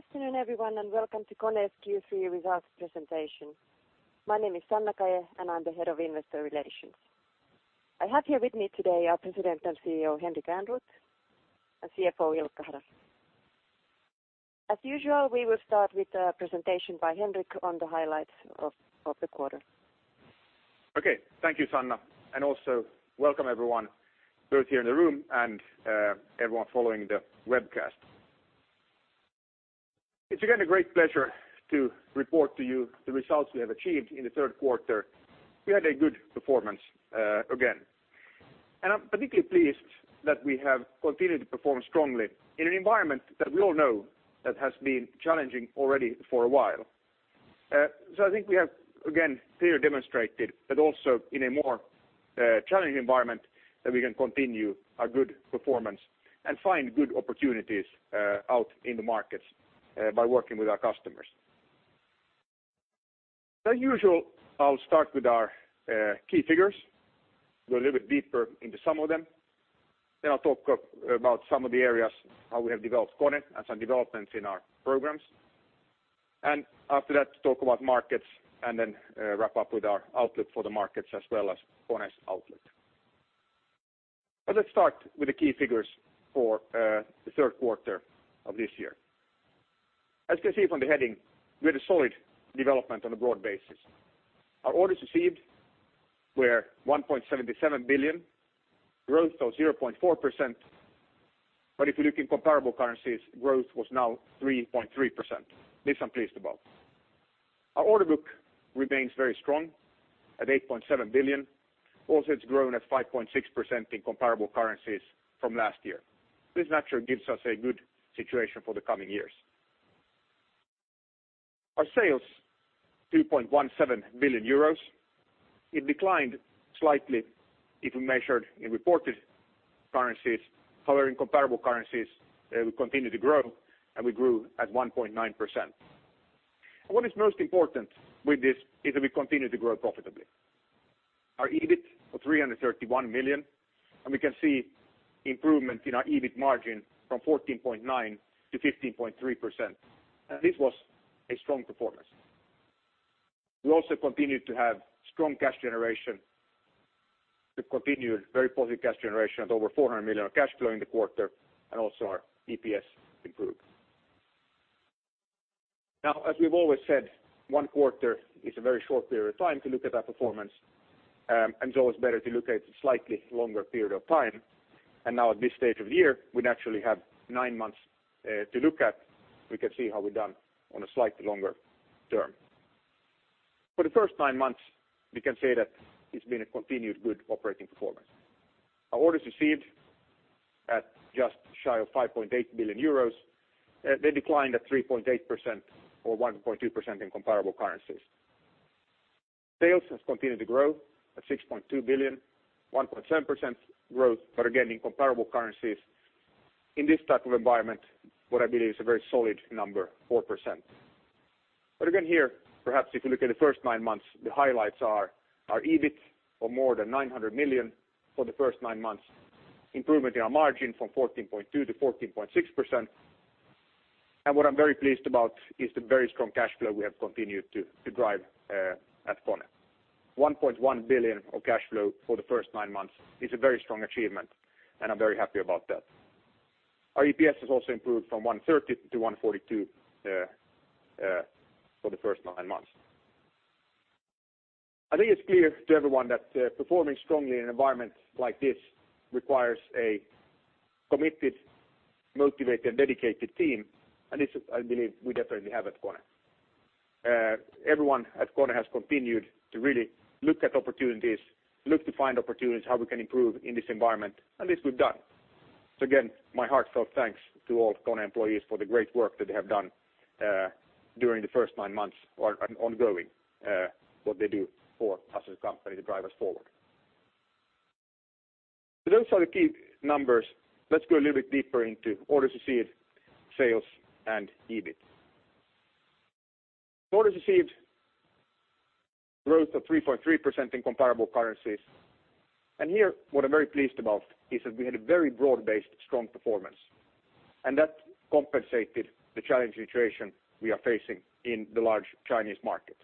Good afternoon, everyone, and welcome to KONE's Q3 results presentation. My name is Sanna Kaje and I am the Head of Investor Relations. I have here with me today our President and CEO, Henrik Ehrnrooth, and CFO, Ilkka Hara. As usual, we will start with a presentation by Henrik on the highlights of the quarter. Thank you, Sanna, and also welcome everyone, both here in the room and everyone following the webcast. It's again a great pleasure to report to you the results we have achieved in the third quarter. We had a good performance again, and I'm particularly pleased that we have continued to perform strongly in an environment that we all know has been challenging already for a while. I think we have again clearly demonstrated that also in a more challenging environment, that we can continue our good performance and find good opportunities out in the markets by working with our customers. As usual, I'll start with our key figures. Go a little bit deeper into some of them. I'll talk about some of the areas, how we have developed KONE and some developments in our programs. After that, talk about markets and wrap up with our outlook for the markets as well as KONE's outlook. Let's start with the key figures for the third quarter of this year. As you can see from the heading, we had a solid development on a broad basis. Our orders received were 1.77 billion, growth of 0.4%, if we look in comparable currencies, growth was now 3.3%. This I'm pleased about. Our order book remains very strong at 8.7 billion. It's grown at 5.6% in comparable currencies from last year. This naturally gives us a good situation for the coming years. Our sales, 2.17 billion euros. It declined slightly if we measured in reported currencies. However, in comparable currencies, we continue to grow, and we grew at 1.9%. What is most important with this is that we continue to grow profitably. Our EBIT of 331 million, we can see improvement in our EBIT margin from 14.9%-15.3%. This was a strong performance. We also continued to have strong cash generation. We've continued very positive cash generation at over 400 million of cash flow in the quarter and also our EPS improved. As we've always said, one quarter is a very short period of time to look at our performance, it's better to look at a slightly longer period of time. Now at this stage of the year, we naturally have nine months to look at. We can see how we've done on a slightly longer term. For the first nine months, we can say that it's been a continued good operating performance. Our orders received at just shy of 5.8 billion euros. They declined at 3.8% or 1.2% in comparable currencies. Sales has continued to grow at 6.2 billion, 1.7% growth. In comparable currencies in this type of environment, what I believe is a very solid number, 4%. Perhaps if you look at the first nine months, the highlights are our EBIT of more than 900 million for the first nine months. Improvement in our margin from 14.2% to 14.6%. What I'm very pleased about is the very strong cash flow we have continued to drive at KONE. 1.1 billion of cash flow for the first nine months is a very strong achievement, and I'm very happy about that. Our EPS has also improved from 1.30 to 1.42 for the first nine months. I think it's clear to everyone that performing strongly in an environment like this requires a committed, motivated, and dedicated team. This, I believe we definitely have at KONE. Everyone at KONE has continued to really look at opportunities, look to find opportunities, how we can improve in this environment. This we've done. My heartfelt thanks to all KONE employees for the great work that they have done during the first nine months are ongoing. What they do for us as a company to drive us forward. Those are the key numbers. Let's go a little bit deeper into orders received, sales, and EBIT. Orders received growth of 3.3% in comparable currencies. Here what I'm very pleased about is that we had a very broad-based, strong performance, and that compensated the challenging situation we are facing in the large Chinese market.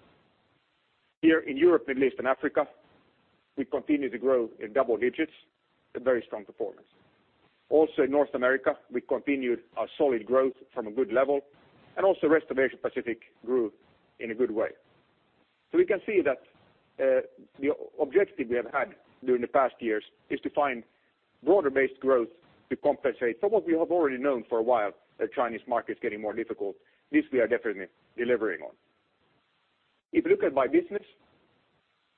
Here in Europe, Middle East, and Africa, we continue to grow in double digits, a very strong performance. In North America, we continued our solid growth from a good level and also rest of Asia Pacific grew in a good way. We can see that the objective we have had during the past years is to find broader-based growth to compensate for what we have already known for a while, the Chinese market is getting more difficult. This we are definitely delivering on. If you look at by business,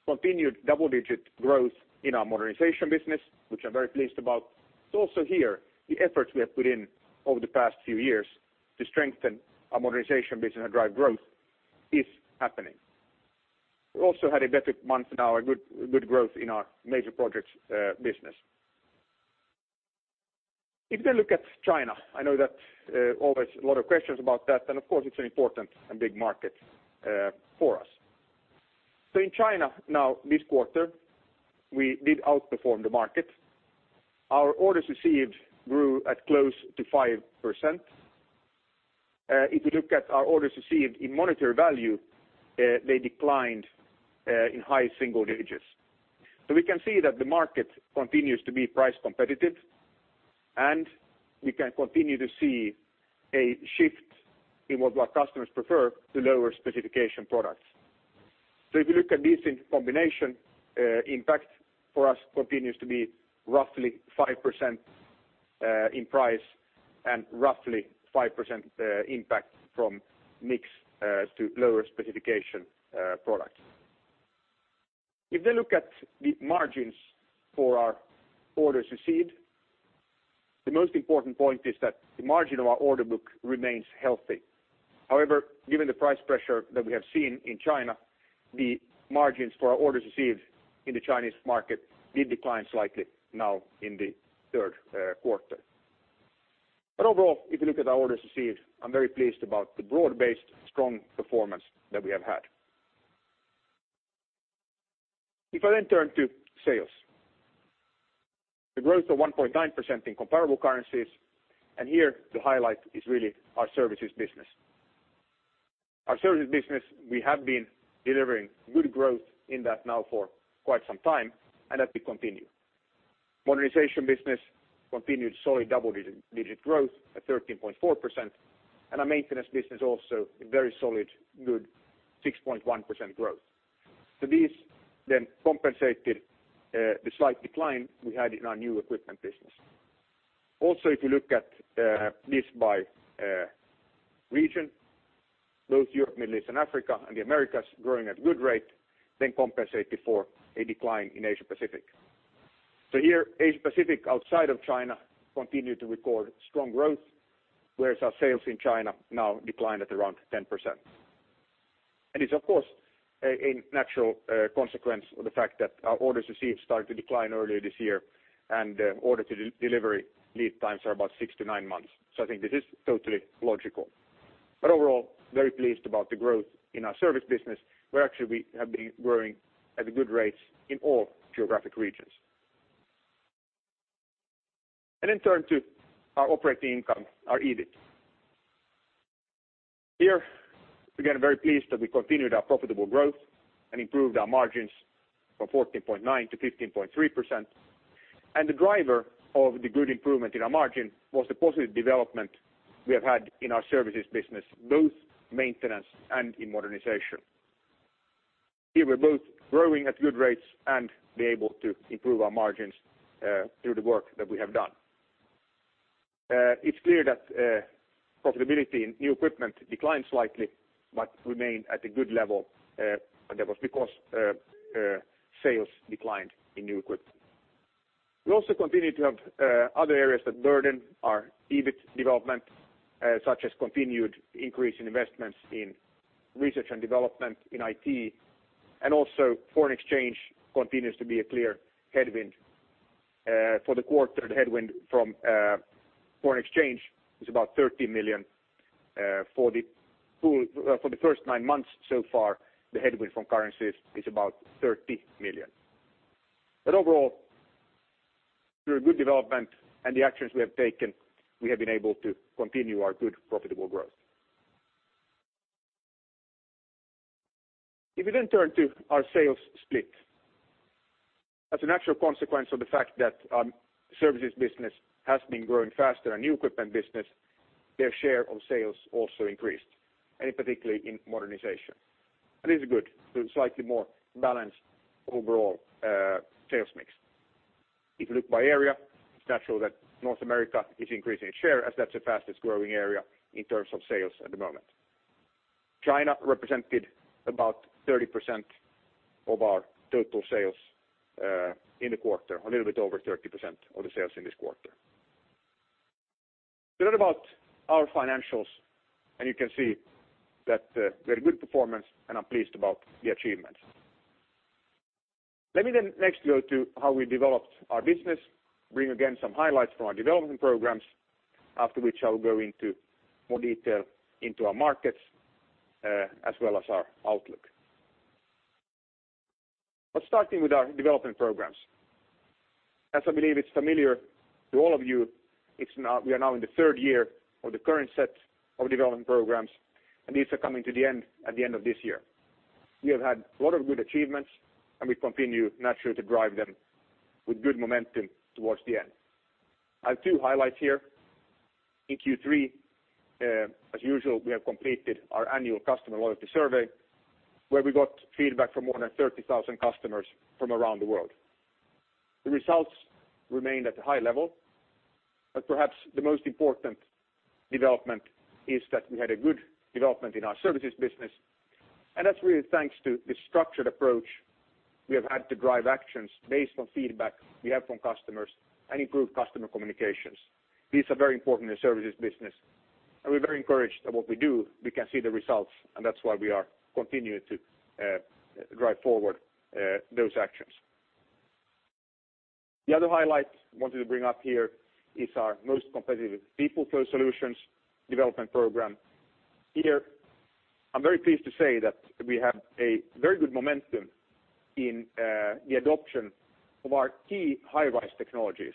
continued double-digit growth in our modernization business, which I'm very pleased about. It's also here, the efforts we have put in over the past few years to strengthen our modernization business and drive growth is happening. We also had a better month now, a good growth in our major projects business. If we look at China, I know that always a lot of questions about that, and of course, it's an important and big market for us. In China now this quarter, we did outperform the market. Our orders received grew at close to 5%. If you look at our orders received in monetary value, they declined in high single digits. We can see that the market continues to be price competitive, and we can continue to see a shift in what our customers prefer to lower specification products. If you look at this in combination, impact for us continues to be roughly 5% in price and roughly 5% impact from mix to lower specification products. If you then look at the margins for our orders received, the most important point is that the margin of our order book remains healthy. However, given the price pressure that we have seen in China, the margins for our orders received in the Chinese market did decline slightly now in the third quarter. Overall, if you look at our orders received, I'm very pleased about the broad-based, strong performance that we have had. I then turn to sales. The growth of 1.9% in comparable currencies. Here the highlight is really our services business. Our services business, we have been delivering good growth in that now for quite some time, and that will continue. Modernization business continued solid double-digit growth at 13.4%, and our maintenance business also a very solid, good 6.1% growth. These then compensated the slight decline we had in our new equipment business. If you look at this by region, both Europe, Middle East and Africa and the Americas growing at good rate, then compensate before a decline in Asia Pacific. Here, Asia Pacific outside of China continued to record strong growth, whereas our sales in China now declined at around 10%. It's of course, a natural consequence of the fact that our orders received started to decline earlier this year and order delivery lead times are about six to nine months. I think this is totally logical. Overall, very pleased about the growth in our service business, where actually we have been growing at good rates in all geographic regions. Then turn to our operating income, our EBIT. Here, again, very pleased that we continued our profitable growth and improved our margins from 14.9% to 15.3%. The driver of the good improvement in our margin was the positive development we have had in our services business, both maintenance and in modernization. Here we're both growing at good rates and be able to improve our margins through the work that we have done. It's clear that profitability in new equipment declined slightly, but remained at a good level. That was because sales declined in new equipment. We also continue to have other areas that burden our EBIT development, such as continued increase in investments in research and development in IT, and also foreign exchange continues to be a clear headwind. For the quarter, the headwind from foreign exchange is about 30 million. For the first nine months so far, the headwind from currencies is about 30 million. Overall, through a good development and the actions we have taken, we have been able to continue our good profitable growth. We then turn to our sales split. A natural consequence of the fact that services business has been growing faster than new equipment business, their share of sales also increased, and particularly in modernization. This is good to a slightly more balanced overall sales mix. If you look by area, it's natural that North America is increasing its share as that's the fastest growing area in terms of sales at the moment. China represented about 30% of our total sales in the quarter, a little bit over 30% of the sales in this quarter. What about our financials? You can see that very good performance, and I'm pleased about the achievements. Let me then next go to how we developed our business, bring again some highlights from our development programs, after which I'll go into more detail into our markets as well as our outlook. Starting with our development programs. As I believe it's familiar to all of you, we are now in the third year of the current set of development programs, and these are coming to the end at the end of this year. We have had a lot of good achievements, and we continue naturally to drive them with good momentum towards the end. I have two highlights here. In Q3, as usual, we have completed our annual customer loyalty survey, where we got feedback from more than 30,000 customers from around the world. The results remained at a high level, but perhaps the most important development is that we had a good development in our services business. That's really thanks to the structured approach we have had to drive actions based on feedback we have from customers and improve customer communications. These are very important in the services business, and we're very encouraged that what we do, we can see the results, and that's why we are continuing to drive forward those actions. The other highlight I wanted to bring up here is our most competitive People Flow Solutions Development Program. Here, I'm very pleased to say that we have a very good momentum in the adoption of our key high-rise technologies.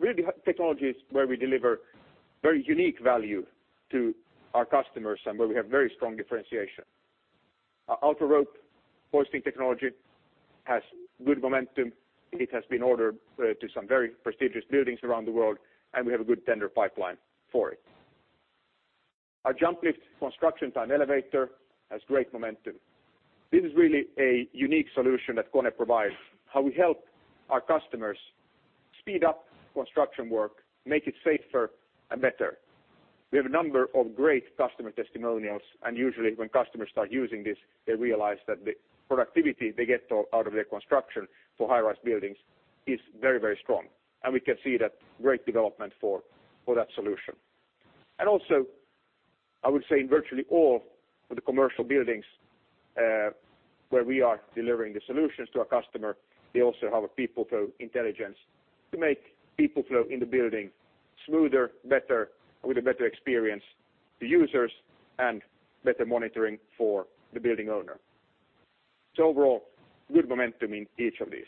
Really technologies where we deliver very unique value to our customers and where we have very strong differentiation. Our UltraRope hoisting technology has good momentum. It has been ordered to some very prestigious buildings around the world, and we have a good tender pipeline for it. Our JumpLift construction time elevator has great momentum. This is really a unique solution that KONE provides, how we help our customers speed up construction work, make it safer and better. We have a number of great customer testimonials, and usually when customers start using this, they realize that the productivity they get out of their construction for high-rise buildings is very strong. We can see that great development for that solution. Also, I would say in virtually all of the commercial buildings where we are delivering the solutions to our customer, they also have a People Flow Intelligence to make people flow in the building smoother, better, with a better experience to users and better monitoring for the building owner. Overall, good momentum in each of these.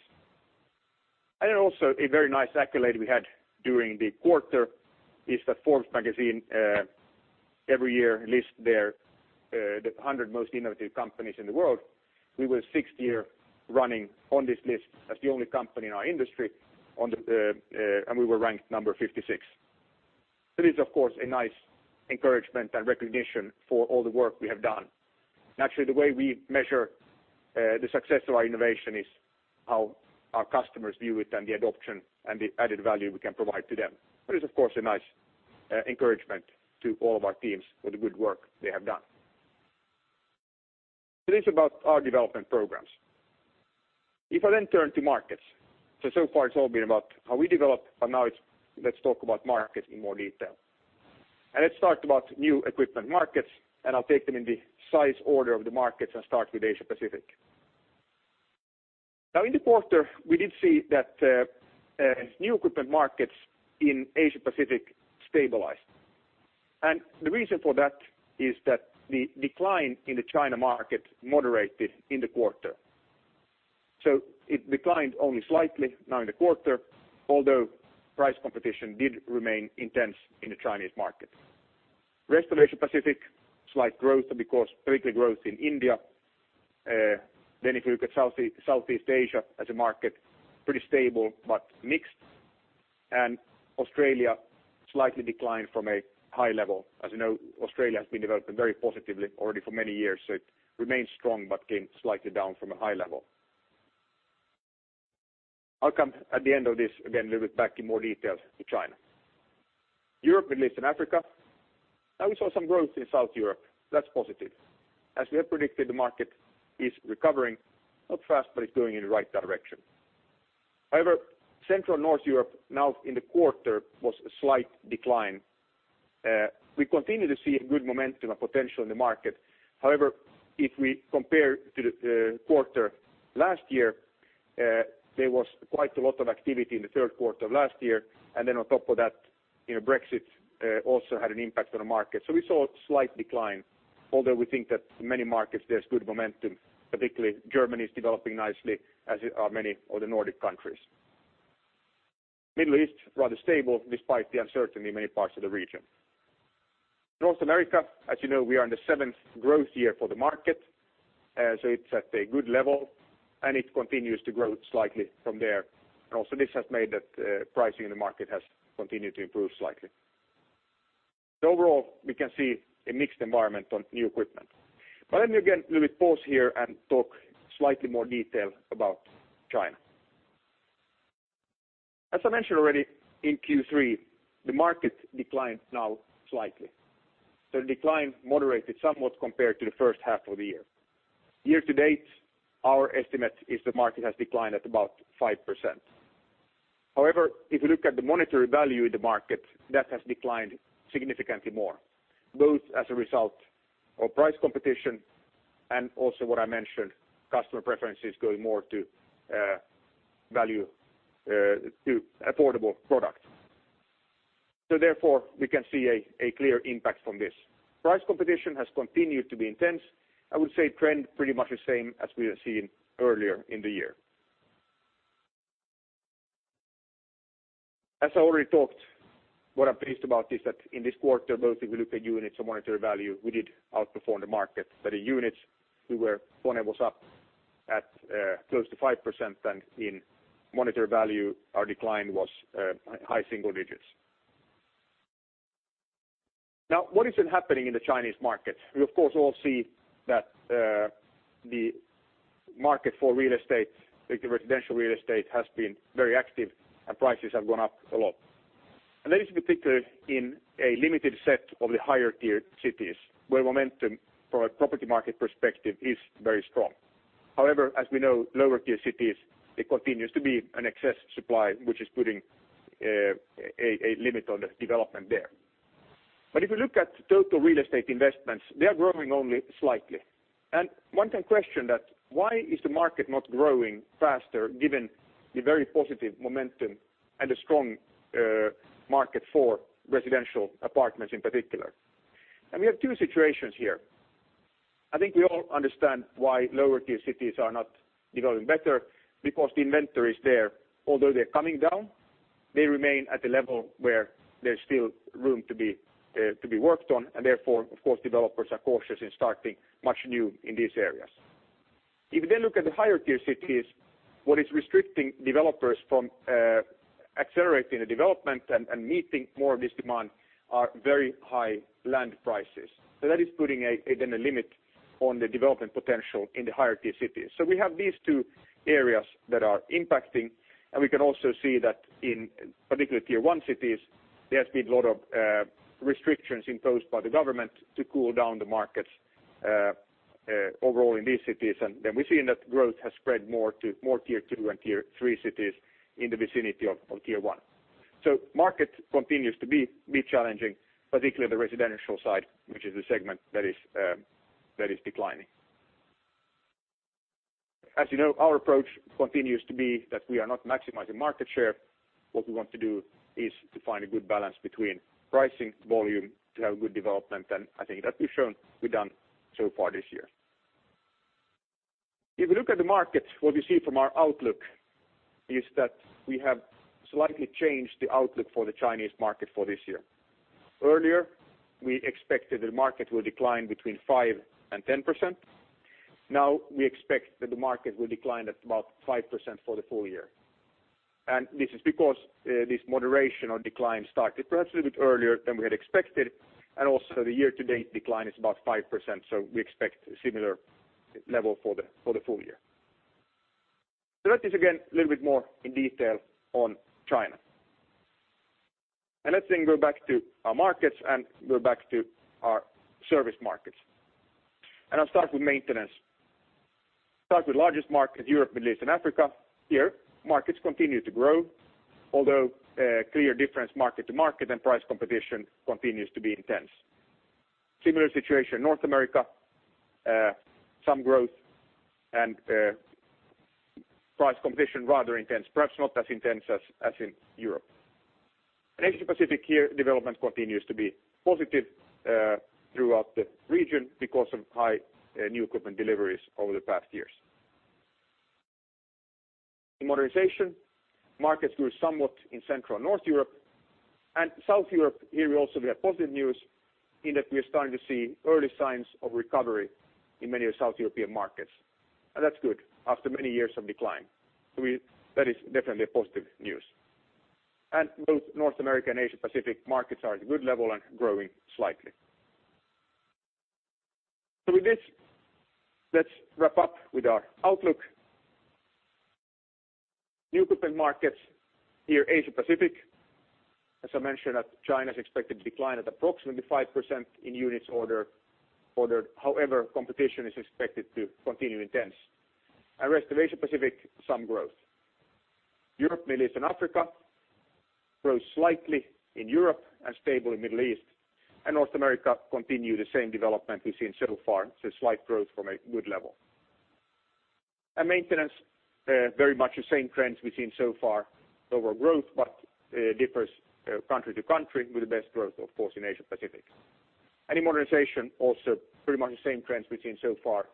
Then also a very nice accolade we had during the quarter is that Forbes magazine every year lists the 100 most innovative companies in the world. We were sixth year running on this list as the only company in our industry, and we were ranked number 56. That is, of course, a nice encouragement and recognition for all the work we have done. Naturally, the way we measure the success of our innovation is how our customers view it and the adoption and the added value we can provide to them. That is, of course, a nice encouragement to all of our teams for the good work they have done. That is about our development programs. If I turn to markets. So far, it's all been about how we develop, but now let's talk about markets in more detail. Let's talk about new equipment markets, and I'll take them in the size order of the markets and start with Asia-Pacific. Now, in the quarter, we did see that new equipment markets in Asia-Pacific stabilized. The reason for that is that the decline in the China market moderated in the quarter. It declined only slightly now in the quarter, although price competition did remain intense in the Chinese market. Rest of Asia-Pacific, slight growth, and because particularly growth in India. If you look at Southeast Asia as a market, pretty stable but mixed. Australia slightly declined from a high level. As you know, Australia has been developing very positively already for many years. It remains strong but came slightly down from a high level. I'll come at the end of this again, little bit back in more details to China. Europe, Middle East, and Africa. We saw some growth in South Europe. That's positive. As we have predicted, the market is recovering, not fast, but it's going in the right direction. Central and North Europe now in the quarter was a slight decline. We continue to see a good momentum and potential in the market. If we compare to the quarter last year, there was quite a lot of activity in the third quarter of last year. On top of that, Brexit also had an impact on the market. We saw a slight decline, although we think that in many markets there's good momentum, particularly Germany is developing nicely as are many of the Nordic countries. Middle East, rather stable despite the uncertainty in many parts of the region. North America, as you know, we are in the seventh growth year for the market, it's at a good level and it continues to grow slightly from there. This has made that pricing in the market has continued to improve slightly. Overall, we can see a mixed environment on new equipment. Let me again little bit pause here and talk slightly more detail about China. As I mentioned already in Q3, the market declined now slightly. The decline moderated somewhat compared to the first half of the year. Year to date, our estimate is the market has declined at about 5%. If you look at the monetary value in the market, that has declined significantly more, both as a result of price competition and also what I mentioned, customer preferences going more to affordable product. We can see a clear impact from this. Price competition has continued to be intense. I would say trend pretty much the same as we have seen earlier in the year. As I already talked, what I'm pleased about is that in this quarter, both if we look at units or monetary value, we did outperform the market. By the units, KONE was up at close to 5%, and in monetary value, our decline was high single digits. What is happening in the Chinese market? We, of course, all see that the market for real estate, like the residential real estate, has been very active and prices have gone up a lot. That is in particular in a limited set of the higher-tier cities where momentum from a property market perspective is very strong. As we know, lower-tier cities, there continues to be an excess supply which is putting a limit on the development there. If you look at total real estate investments, they are growing only slightly. One can question that, why is the market not growing faster given the very positive momentum and a strong market for residential apartments in particular? We have two situations here. I think we all understand why lower tier cities are not developing better, because the inventory is there. Although they're coming down, they remain at the level where there's still room to be worked on. Therefore, of course, developers are cautious in starting much new in these areas. If we then look at the higher tier cities, what is restricting developers from accelerating the development and meeting more of this demand are very high land prices. That is putting then a limit on the development potential in the higher tier cities. We have these two areas that are impacting, and we can also see that in particular tier 1 cities, there's been a lot of restrictions imposed by the government to cool down the markets overall in these cities. We're seeing that growth has spread more to tier 2 and tier 3 cities in the vicinity of tier 1. Market continues to be challenging, particularly the residential side, which is the segment that is declining. As you know, our approach continues to be that we are not maximizing market share. What we want to do is to find a good balance between pricing, volume, to have a good development. I think that we've shown we've done so far this year. If we look at the market, what we see from our outlook is that we have slightly changed the outlook for the Chinese market for this year. Earlier, we expected the market will decline between 5% and 10%. Now we expect that the market will decline at about 5% for the full year. This is because this moderation or decline started perhaps a little bit earlier than we had expected, and also the year-to-date decline is about 5%, so we expect a similar level for the full year. That is again, a little bit more in detail on China. Let's then go back to our markets and go back to our service markets. I'll start with maintenance. Start with largest market, Europe, Middle East, and Africa. Here, markets continue to grow, although a clear difference market to market and price competition continues to be intense. Similar situation North America, some growth and price competition rather intense. Perhaps not as intense as in Europe. Asia Pacific here, development continues to be positive throughout the region because of high new equipment deliveries over the past years. In modernization, markets grew somewhat in Central and North Europe. South Europe, here we also we have positive news in that we are starting to see early signs of recovery in many of South European markets. That's good after many years of decline. That is definitely a positive news. Both North America and Asia Pacific markets are at a good level and growing slightly. With this, let's wrap up with our outlook. New equipment markets here, Asia Pacific. As I mentioned that China's expected to decline at approximately 5% in units ordered. However, competition is expected to continue intense. Rest of Asia Pacific, some growth. Europe, Middle East, and Africa grows slightly in Europe and stable in Middle East. North America continue the same development we've seen so far. Slight growth from a good level. Maintenance very much the same trends we've seen so far. Lower growth, but differs country to country with the best growth of course in Asia Pacific. In modernization, also pretty much the same trends we've seen so far.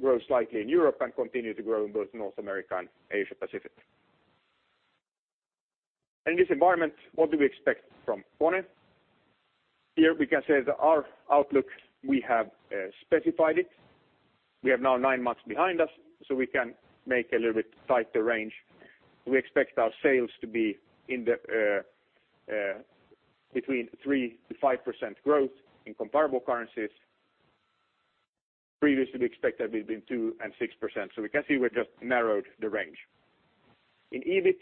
Grow slightly in Europe and continue to grow in both North America and Asia Pacific. In this environment, what do we expect from KONE? We can say that our outlook, we have specified it. We have now nine months behind us, we can make a little bit tighter range. We expect our sales to be between 3%-5% growth in comparable currencies. Previously, we expected between 2% and 6%. We can see we've just narrowed the range. In EBIT,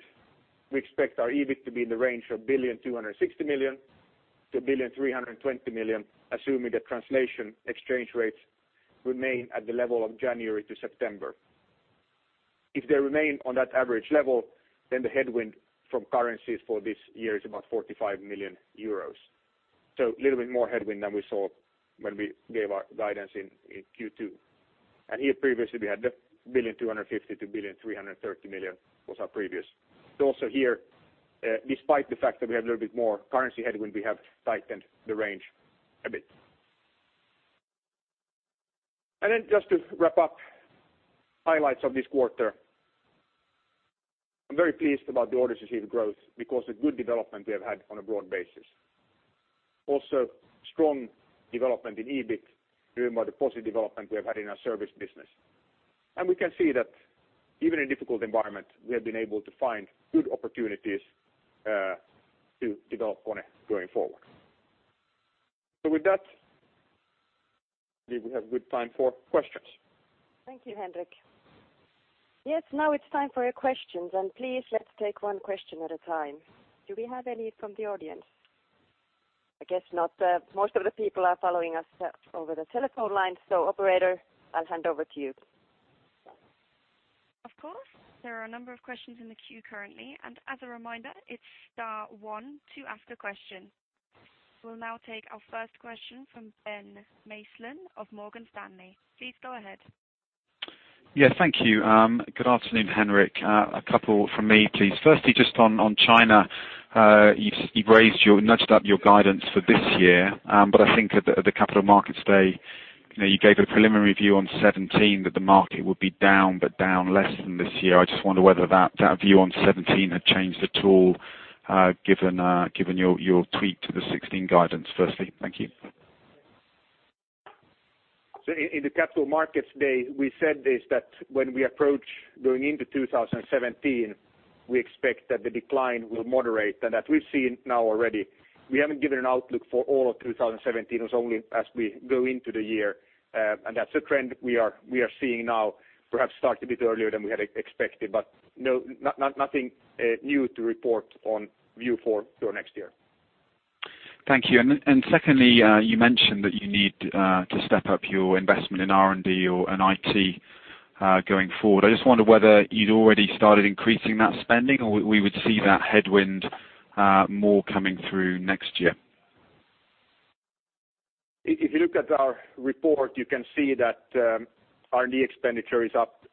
we expect our EBIT to be in the range of 1,260 million-1,320 million, assuming that translation exchange rates remain at the level of January to September. If they remain on that average level, the headwind from currencies for this year is about 45 million euros. Little bit more headwind than we saw when we gave our guidance in Q2. Previously we had 1,250 million-1,330 million was our previous. Also, despite the fact that we have a little bit more currency headwind, we have tightened the range a bit. Just to wrap up, highlights of this quarter. I'm very pleased about the orders received growth because the good development we have had on a broad basis. Also, strong development in EBIT driven by the positive development we have had in our service business. We can see that even in a difficult environment, we have been able to find good opportunities to develop KONE going forward. With that, I believe we have good time for questions. Thank you, Henrik. Now it's time for your questions. Please, let's take one question at a time. Do we have any from the audience? I guess not. Most of the people are following us over the telephone line. Operator, I'll hand over to you. Of course. There are a number of questions in the queue currently, as a reminder, it's star one to ask a question. We'll now take our first question from Ben Maislin of Morgan Stanley. Please go ahead. Thank you. Good afternoon, Henrik. A couple from me, please. Firstly, just on China. You've nudged up your guidance for this year. I think at the Capital Markets Day, you gave a preliminary view on 2017 that the market would be down, but down less than this year. I just wonder whether that view on 2017 had changed at all given your tweak to the 2016 guidance, firstly. Thank you. In the Capital Markets Day, we said this, that when we approach going into 2017, we expect that the decline will moderate. That we've seen now already. We haven't given an outlook for all of 2017. It was only as we go into the year. That's a trend we are seeing now, perhaps start a bit earlier than we had expected, but nothing new to report on view for next year. Thank you. Secondly, you mentioned that you need to step up your investment in R&D and IT going forward. I just wonder whether you'd already started increasing that spending, or we would see that headwind more coming through next year. If you look at our report, you can see that R&D expenditure is up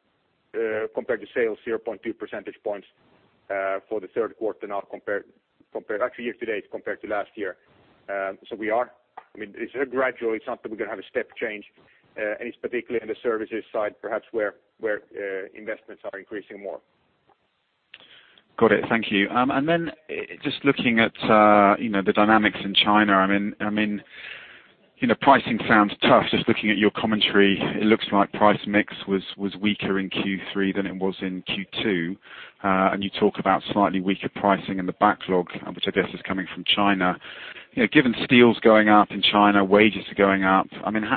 compared to sales 0.2 percentage points for the third quarter now year-to-date compared to last year. We are. It's gradual. It's not that we're going to have a step change. It's particularly in the services side, perhaps where investments are increasing more. Got it. Thank you. Then just looking at the dynamics in China. Pricing sounds tough. Just looking at your commentary, it looks like price mix was weaker in Q3 than it was in Q2. You talk about slightly weaker pricing in the backlog, which I guess is coming from China. Given steel's going up in China, wages are going up,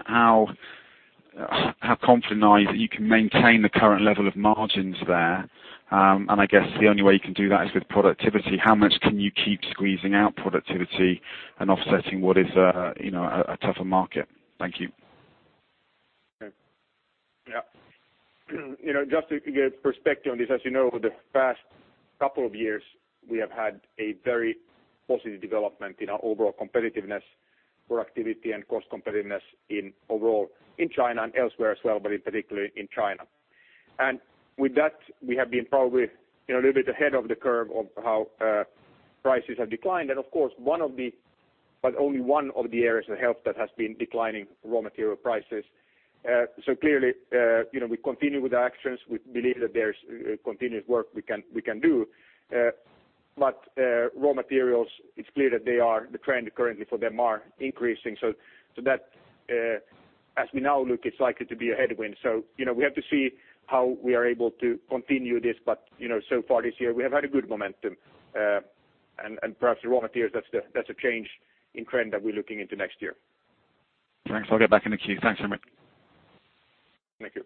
how confident are you that you can maintain the current level of margins there? I guess the only way you can do that is with productivity. How much can you keep squeezing out productivity and offsetting what is a tougher market? Thank you. Yeah. Just to give perspective on this, as you know, over the past couple of years, we have had a very positive development in our overall competitiveness, productivity, and cost competitiveness in overall in China and elsewhere as well, but in particular in China. With that, we have been probably a little bit ahead of the curve of how prices have declined. Of course, but only one of the areas that help that has been declining raw material prices. Clearly we continue with the actions. We believe that there's continuous work we can do. Raw materials, it's clear that the trend currently for them are increasing. That as we now look, it's likely to be a headwind. We have to see how we are able to continue this. So far this year, we have had a good momentum. Perhaps the raw materials, that's a change in trend that we're looking into next year. Thanks. I'll get back in the queue. Thanks very much. Thank you.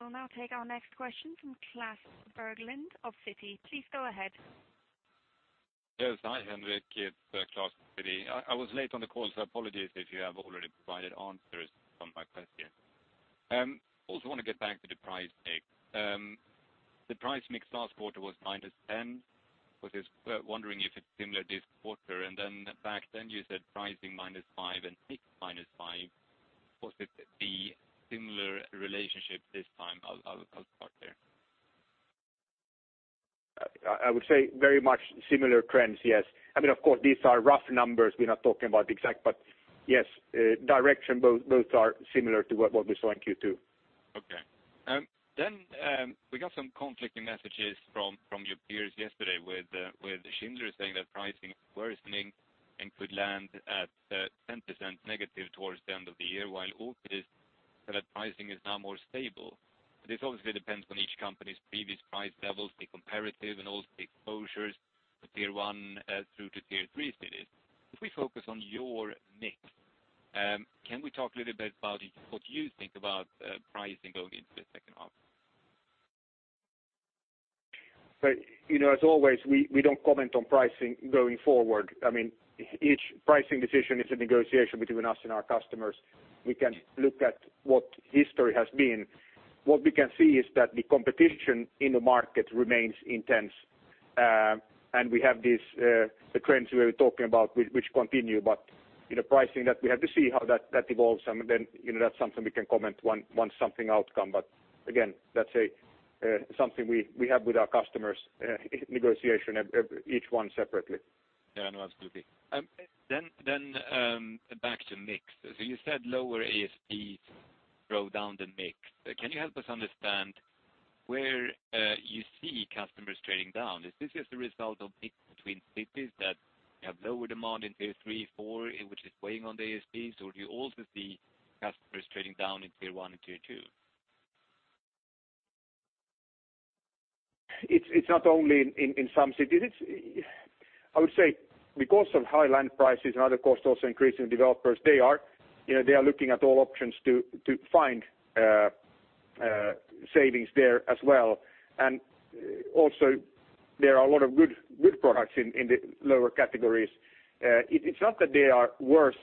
We'll now take our next question from Klas Bergelind of Citi. Please go ahead. Yes. Hi, Henrik. It's Klas of Citi. I was late on the call, so apologies if you have already provided answers on my question. Also want to get back to the price mix. The price mix last quarter was minus 10. Was just wondering if it's similar this quarter. Then back then you said pricing minus five and mix minus five. Was it the similar relationship this time? I'll start there. I would say very much similar trends, yes. Of course, these are rough numbers. We're not talking about exact, but yes, direction both are similar to what we saw in Q2. We got some conflicting messages from your peers yesterday with Schindler saying that pricing is worsening and could land at 10% negative towards the end of the year, while Otis said that pricing is now more stable. This obviously depends on each company's previous price levels, the comparative, and also the exposures to Tier 1 through to Tier 3 cities. If we focus on your mix, can we talk a little bit about what you think about pricing going into the second half? As always, we don't comment on pricing going forward. Each pricing decision is a negotiation between us and our customers. We can look at what history has been. What we can see is that the competition in the market remains intense. We have the trends we were talking about which continue. Pricing that we have to see how that evolves. That's something we can comment once something outcome. Again, that's something we have with our customers negotiation each one separately. Yeah, no, absolutely. Back to mix. You said lower ASPs throw down the mix. Can you help us understand where you see customers trading down? Is this just a result of mix between cities that have lower demand in Tier 3, 4, which is weighing on the ASPs? Or do you also see customers trading down in Tier 1 and Tier 2? It's not only in some cities. I would say because of high land prices and other costs also increasing developers, they are looking at all options to find savings there as well. Also, there are a lot of good products in the lower categories. It's not that they are worse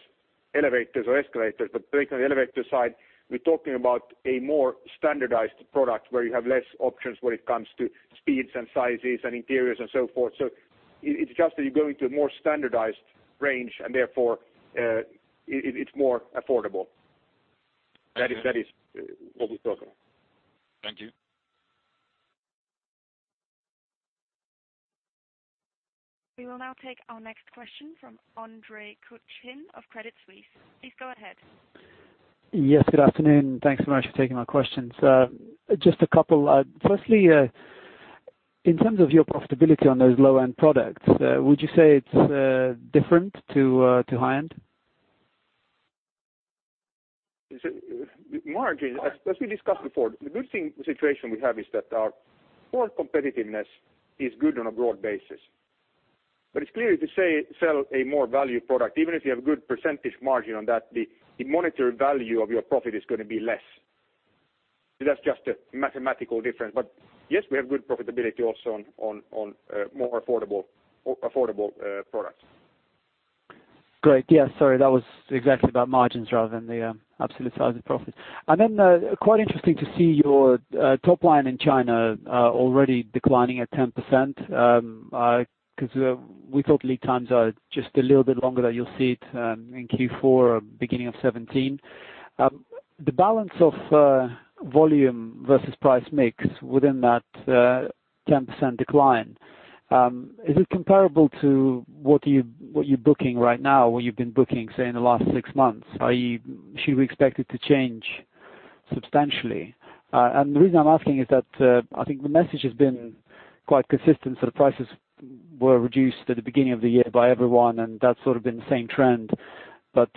elevators or escalators, but taking the elevator side, we're talking about a more standardized product where you have less options when it comes to speeds and sizes and interiors and so forth. It's just that you're going to a more standardized range and therefore, it's more affordable. Thank you. That is what we're talking about. Thank you. We will now take our next question from Andre Kukhnin of Credit Suisse. Please go ahead. Yes, good afternoon. Thanks so much for taking my questions. Just a couple. Firstly, in terms of your profitability on those low-end products, would you say it's different to high-end? Margin, as we discussed before, the good thing, the situation we have is that our core competitiveness is good on a broad basis. It's clear if you sell a more value product, even if you have good percentage margin on that, the monetary value of your profit is going to be less. That's just a mathematical difference. Yes, we have good profitability also on more affordable products. Great. Yeah, sorry, that was exactly about margins rather than the absolute size of profits. Quite interesting to see your top line in China already declining at 10%, because we thought lead times are just a little bit longer, that you'll see it in Q4 or beginning of 2017. The balance of volume versus price mix within that 10% decline, is it comparable to what you're booking right now or what you've been booking, say, in the last six months? Should we expect it to change substantially? The reason I'm asking is that I think the message has been quite consistent. The prices were reduced at the beginning of the year by everyone, and that's sort of been the same trend.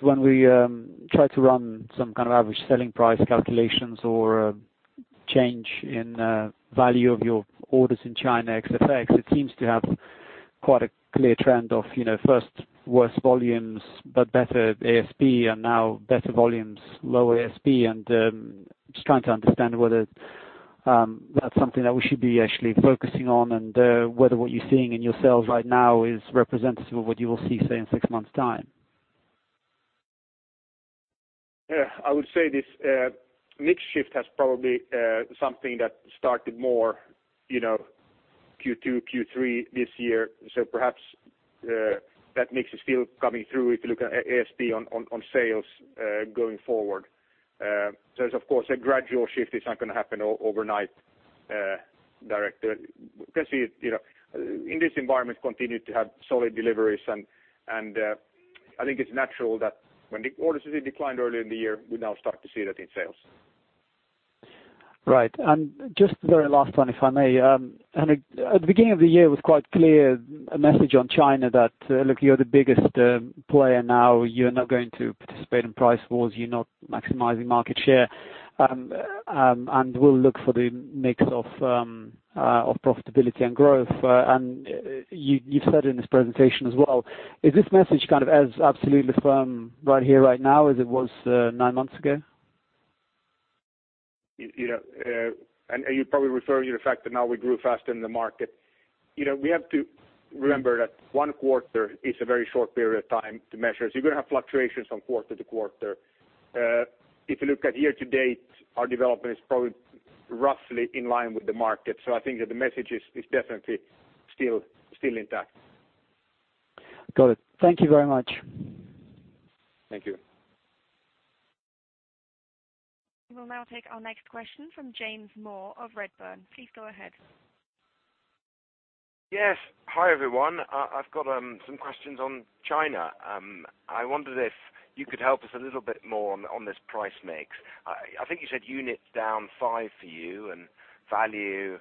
When we try to run some kind of average selling price calculations or change in value of your orders in China ex FX, it seems to have quite a clear trend of first worse volumes, but better ASP, and now better volumes, low ASP. Just trying to understand whether that's something that we should be actually focusing on, and whether what you're seeing in your sales right now is representative of what you will see, say, in six months' time. Yeah, I would say this mix shift has probably something that started more Q2, Q3 this year. Perhaps that mix is still coming through if you look at ASP on sales going forward. It's of course a gradual shift. It's not going to happen overnight directly. You can see it in this environment continue to have solid deliveries, and I think it's natural that when the orders declined earlier in the year, we now start to see that in sales. Right. Just the very last one, if I may. Henrik, at the beginning of the year, it was quite clear a message on China that, look, you're the biggest player now, you're not going to participate in price wars, you're not maximizing market share. We'll look for the mix of profitability and growth. You've said it in this presentation as well. Is this message kind of as absolutely firm right here, right now as it was nine months ago? You're probably referring to the fact that now we grew faster than the market. We have to remember that one quarter is a very short period of time to measure. You're going to have fluctuations from quarter to quarter. If you look at year-to-date, our development is probably roughly in line with the market. I think that the message is definitely still intact. Got it. Thank you very much. Thank you. We will now take our next question from James Moore of Redburn. Please go ahead. Yes. Hi, everyone. I've got some questions on China. I wonder if you could help us a little bit more on this price mix. I think you said units down five for you and value,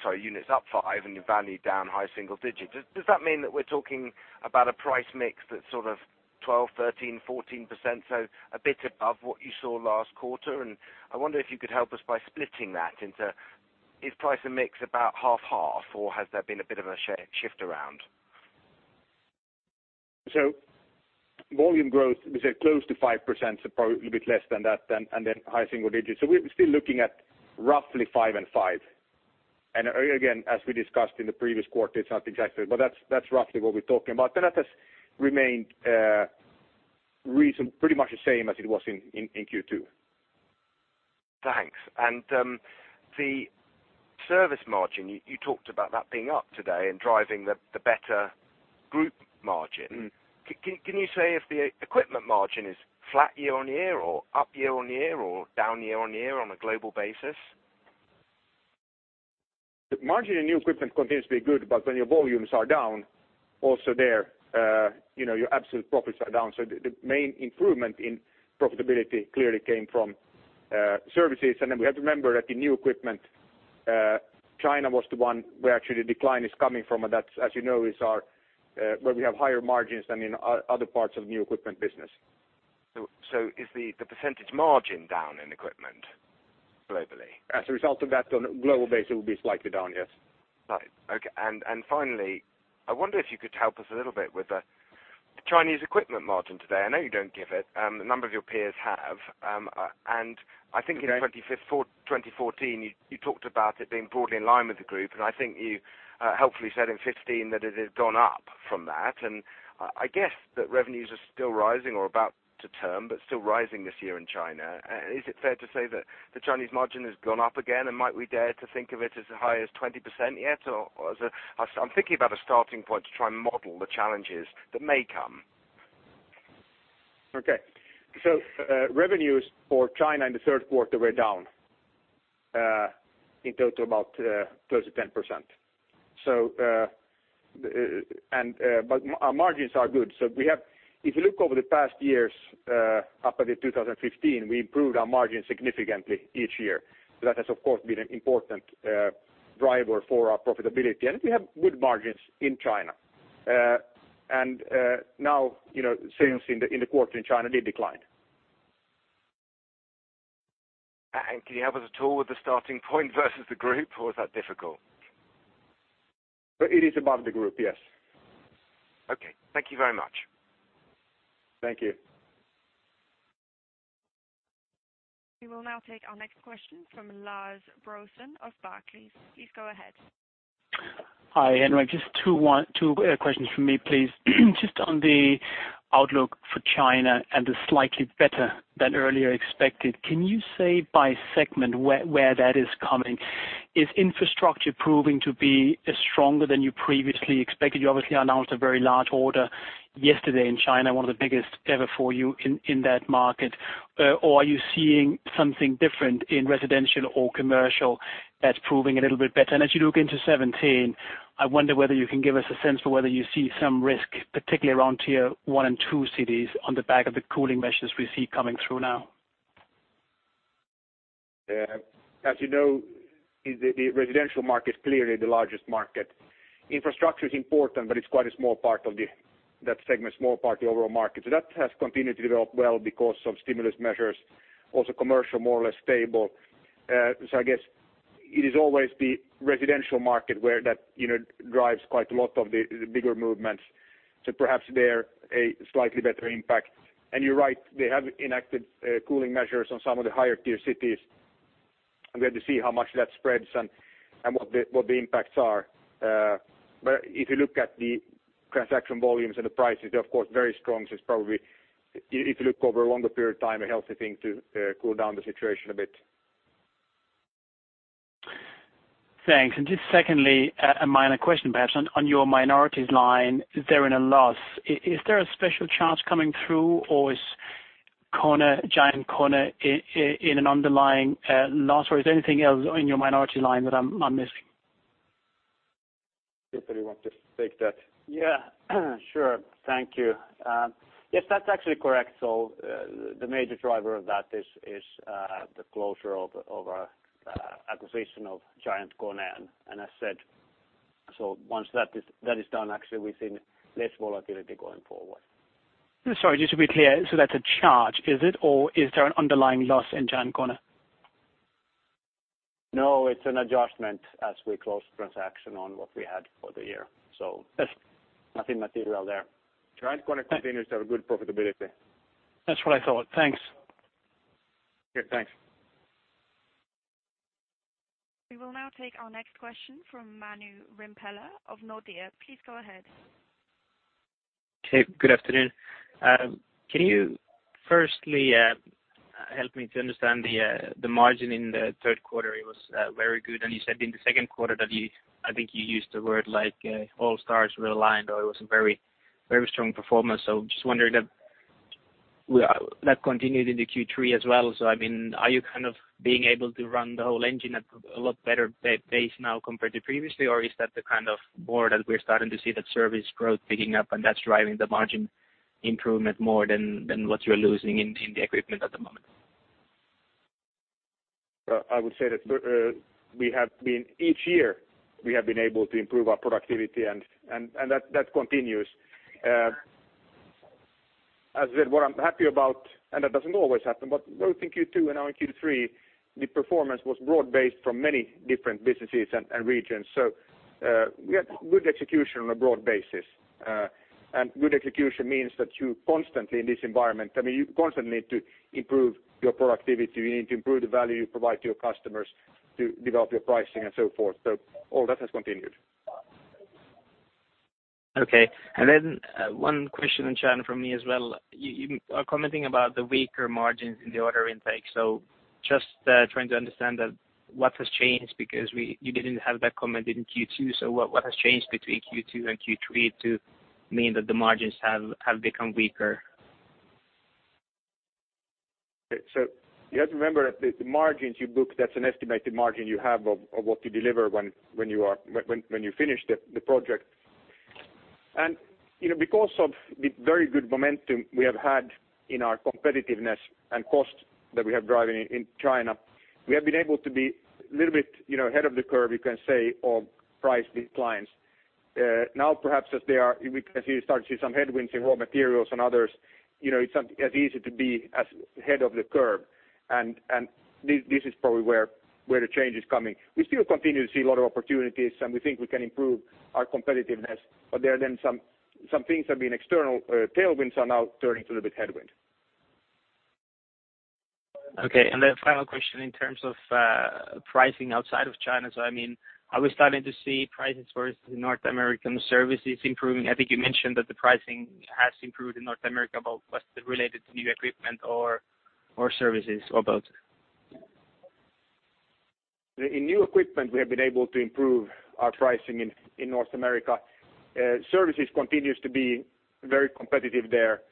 sorry, units up five and your value down high single digits. Does that mean that we're talking about a price mix that's sort of 12%, 13%, 14%? A bit above what you saw last quarter. I wonder if you could help us by splitting that into, is price and mix about half, or has there been a bit of a shift around? Volume growth, we said close to 5%, probably a little bit less than that then, and then high single digits. We're still looking at roughly five and five. Again, as we discussed in the previous quarter, it's not exactly, but that's roughly what we're talking about. That has remained pretty much the same as it was in Q2. Thanks. The service margin, you talked about that being up today and driving the better group margin. Can you say if the equipment margin is flat year-on-year or up year-on-year or down year-on-year on a global basis? The margin in new equipment continues to be good, but when your volumes are down, also there your absolute profits are down. The main improvement in profitability clearly came from services. Then we have to remember that the new equipment, China was the one where actually the decline is coming from, and that, as you know, is where we have higher margins than in other parts of new equipment business. Is the percentage margin down in equipment globally? As a result of that, on a global basis, it will be slightly down, yes. Right. Okay. Finally, I wonder if you could help us a little bit with the Chinese equipment margin today. I know you don't give it. A number of your peers have. I think in 2014, you talked about it being broadly in line with the group, and I think you helpfully said in 2015 that it had gone up from that. I guess that revenues are still rising or about to turn, but still rising this year in China. Is it fair to say that the Chinese margin has gone up again, and might we dare to think of it as high as 20% yet? I'm thinking about a starting point to try and model the challenges that may come. Okay. Revenues for China in the third quarter were down in total about close to 10%. Our margins are good. If you look over the past years, up until 2015, we improved our margins significantly each year. That has, of course, been an important driver for our profitability. We have good margins in China. Now, sales in the quarter in China did decline. Can you help us at all with the starting point versus the group, or is that difficult? It is above the group, yes. Okay. Thank you very much. Thank you. We will now take our next question from Lars Brorson of Barclays. Please go ahead. Hi, Henrik. Just two questions from me, please. Just on the outlook for China and the slightly better than earlier expected, can you say by segment where that is coming? Is infrastructure proving to be stronger than you previously expected? You obviously announced a very large order yesterday in China, one of the biggest ever for you in that market. Are you seeing something different in residential or commercial that's proving a little bit better? As you look into 2017, I wonder whether you can give us a sense for whether you see some risk, particularly around tier 1 and 2 cities on the back of the cooling measures we see coming through now. As you know, the residential market is clearly the largest market. Infrastructure is important, but it's quite a small part of that segment, small part of the overall market. That has continued to develop well because of stimulus measures. Also commercial, more or less stable. I guess it is always the residential market where that drives quite a lot of the bigger movements. Perhaps there a slightly better impact. You're right, they have enacted cooling measures on some of the higher tier cities. We have to see how much that spreads and what the impacts are. If you look at the transaction volumes and the prices, they're of course very strong. It's probably, if you look over a longer period of time, a healthy thing to cool down the situation a bit. Thanks. Just secondly, a minor question perhaps. On your minorities line, they're in a loss. Is there a special charge coming through or is GiantKONE in an underlying loss, or is there anything else in your minority line that I'm missing? Peter, you want to take that? Yeah, sure. Thank you. Yes, that's actually correct. The major driver of that is the closure of our acquisition of GiantKONE. Once that is done, actually, we've seen less volatility going forward. Sorry, just to be clear. That's a charge, is it? Or is there an underlying loss in GiantKONE? No, it's an adjustment as we close the transaction on what we had for the year. Nothing material there. GiantKONE continues to have good profitability. That's what I thought. Thanks. Okay, thanks. We will now take our next question from Manu Rimpelä of Nordea. Please go ahead. Okay, good afternoon. Can you firstly help me to understand the margin in the third quarter? It was very good and you said in the second quarter that you, I think you used the word like all stars were aligned or it was a very strong performance. Just wondering if that continued into Q3 as well. Are you being able to run the whole engine at a lot better pace now compared to previously, or is that the kind of broad that we're starting to see that service growth picking up and that's driving the margin improvement more than what you're losing in the equipment at the moment? I would say that each year we have been able to improve our productivity and that continues. As I said, what I'm happy about, and that doesn't always happen, but both in Q2 and now in Q3, the performance was broad-based from many different businesses and regions. We had good execution on a broad basis. Good execution means that you constantly, in this environment, you constantly need to improve your productivity. You need to improve the value you provide to your customers to develop your pricing and so forth. All that has continued. Okay. One question on China from me as well. You are commenting about the weaker margins in the order intake. Just trying to understand what has changed because you didn't have that comment in Q2. What has changed between Q2 and Q3 to mean that the margins have become weaker? You have to remember that the margins you book, that's an estimated margin you have of what you deliver when you finish the project. Because of the very good momentum we have had in our competitiveness and cost that we have driven in China, we have been able to be a little bit ahead of the curve, you can say, on price declines. Now perhaps as we can start to see some headwinds in raw materials and others, it's not as easy to be as ahead of the curve. This is probably where the change is coming. We still continue to see a lot of opportunities and we think we can improve our competitiveness. Some things have been external tailwinds are now turning to a little bit headwind. Okay. The final question in terms of pricing outside of China. Are we starting to see prices for North American services improving? I think you mentioned that the pricing has improved in North America, but was that related to new equipment or services, or both? In new equipment, we have been able to improve our pricing in North America. Services continues to be very competitive there.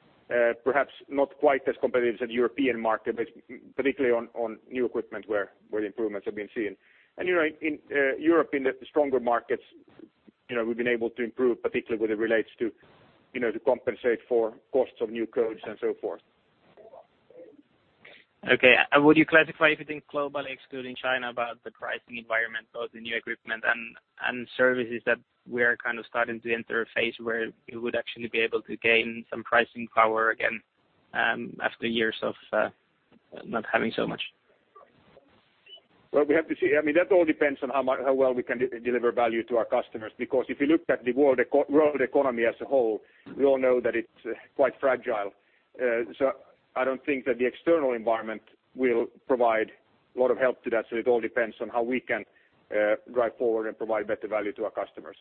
Perhaps not quite as competitive as the European market, but particularly on new equipment where the improvements have been seen. In Europe, in the stronger markets, we've been able to improve, particularly where it relates to compensate for costs of new codes and so forth. Okay. Would you classify if you think globally, excluding China, about the pricing environment, both the new equipment and services that we are kind of starting to enter a phase where you would actually be able to gain some pricing power again after years of not having so much? Well, we have to see. That all depends on how well we can deliver value to our customers. If you look at the world economy as a whole, we all know that it's quite fragile. I don't think that the external environment will provide a lot of help to that. It all depends on how we can drive forward and provide better value to our customers.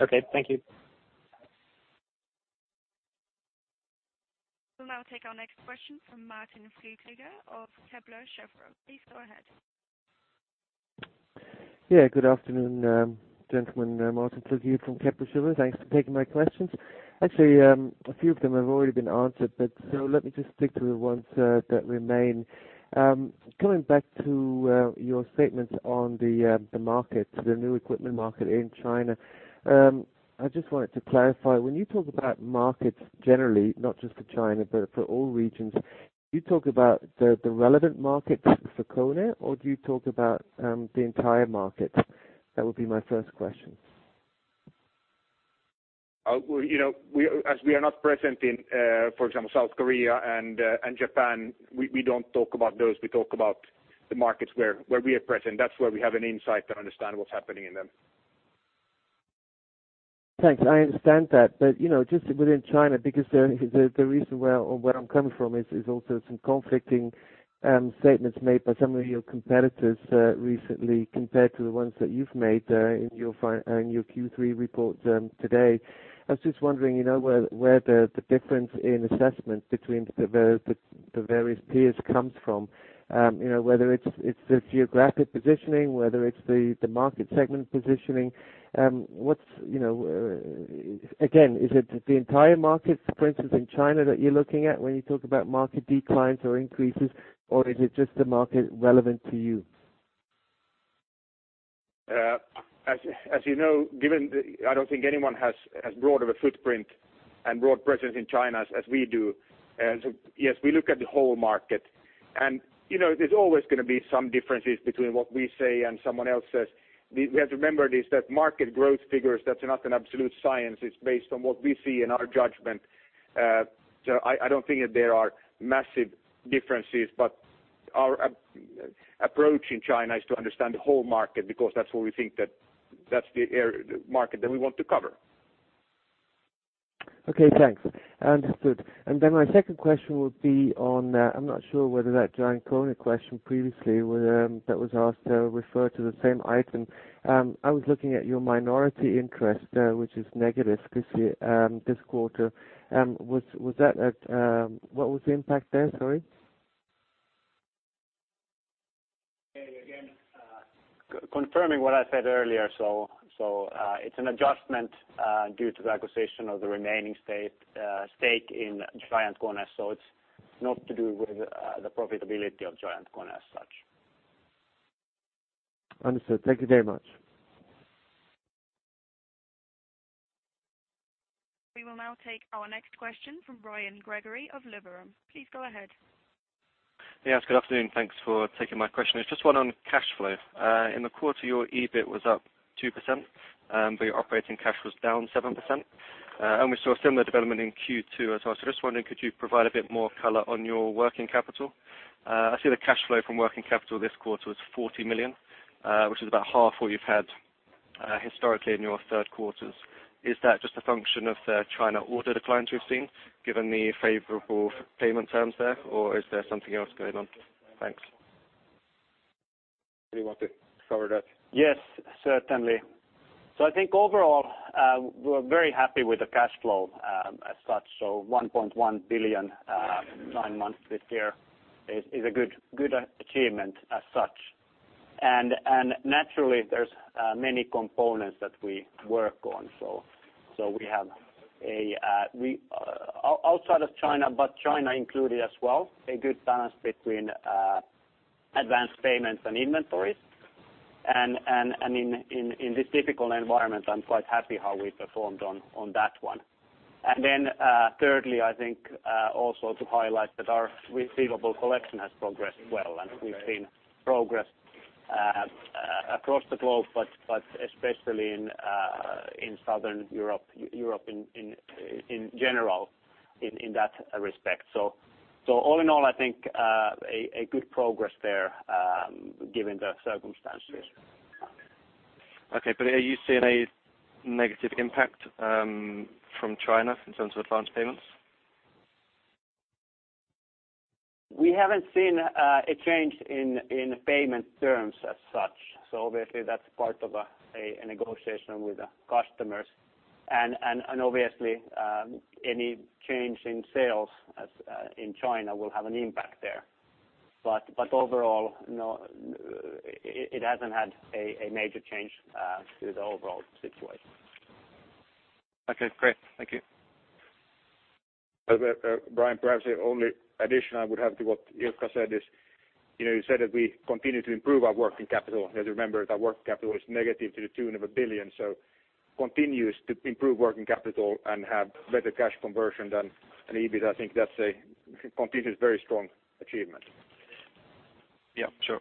Okay, thank you. We'll now take our next question from Martin Fluekiger of Kepler Cheuvreux. Please go ahead. Yeah, good afternoon, gentlemen. Martin Fluekiger from Kepler Cheuvreux. Thanks for taking my questions. Actually, a few of them have already been answered, let me just stick to the ones that remain. Coming back to your statements on the market, the new equipment market in China, I just wanted to clarify. When you talk about markets generally, not just for China, but for all regions, do you talk about the relevant markets for KONE, or do you talk about the entire market? That would be my first question. We are not present in, for example, South Korea and Japan, we don't talk about those. We talk about the markets where we are present. That's where we have an insight to understand what's happening in them. Thanks. I understand that. Just within China, because the reason where I'm coming from is also some conflicting statements made by some of your competitors recently compared to the ones that you've made in your Q3 report today. I was just wondering where the difference in assessment between the various peers comes from. Whether it's the geographic positioning, whether it's the market segment positioning. Again, is it the entire market, for instance, in China that you're looking at when you talk about market declines or increases, or is it just the market relevant to you? As you know, I don't think anyone has as broad of a footprint and broad presence in China as we do. Yes, we look at the whole market. There's always going to be some differences between what we say and someone else says. We have to remember this, that market growth figures, that's not an absolute science. It's based on what we see and our judgment. I don't think that there are massive differences, but our approach in China is to understand the whole market because that's where we think that that's the market that we want to cover. Okay, thanks. Understood. My second question would be on, I'm not sure whether that GiantKONE question previously that was asked referred to the same item. I was looking at your minority interest, which is negative this quarter. What was the impact there? Sorry. Again, confirming what I said earlier. It's an adjustment due to the acquisition of the remaining stake in GiantKONE. It's not to do with the profitability of GiantKONE as such. Understood. Thank you very much. We will now take our next question from Ryan Gregory of Liberum. Please go ahead. Yes, good afternoon. Thanks for taking my question. It's just one on cash flow. In the quarter, your EBIT was up 2%, your operating cash was down 7%. We saw a similar development in Q2 as well. Just wondering, could you provide a bit more color on your working capital? I see the cash flow from working capital this quarter was 40 million, which is about half what you've had historically in your third quarters. Is that just a function of the China order declines we've seen, given the favorable payment terms there, or is there something else going on? Thanks. Do you want to cover that? Yes, certainly. I think overall, we're very happy with the cash flow as such. 1.1 billion, nine months this year is a good achievement as such. Naturally, there's many components that we work on. We have outside of China included as well, a good balance between advanced payments and inventories. In this difficult environment, I'm quite happy how we performed on that one. Thirdly, I think also to highlight that our receivable collection has progressed well, we've seen progress across the globe, especially in Southern Europe in general, in that respect. All in all, I think a good progress there given the circumstances. Okay, are you seeing a negative impact from China in terms of advanced payments? We haven't seen a change in payment terms as such. Obviously that's part of a negotiation with the customers and obviously, any change in sales in China will have an impact there. Overall, it hasn't had a major change to the overall situation. Okay, great. Thank you. Ryan, perhaps the only addition I would have to what Ilkka said is, you said that we continue to improve our working capital. As you remember, that working capital was negative to the tune of 1 billion. Continuous to improve working capital and have better cash conversion than an EBIT, I think that's a continuous very strong achievement. Yeah, sure.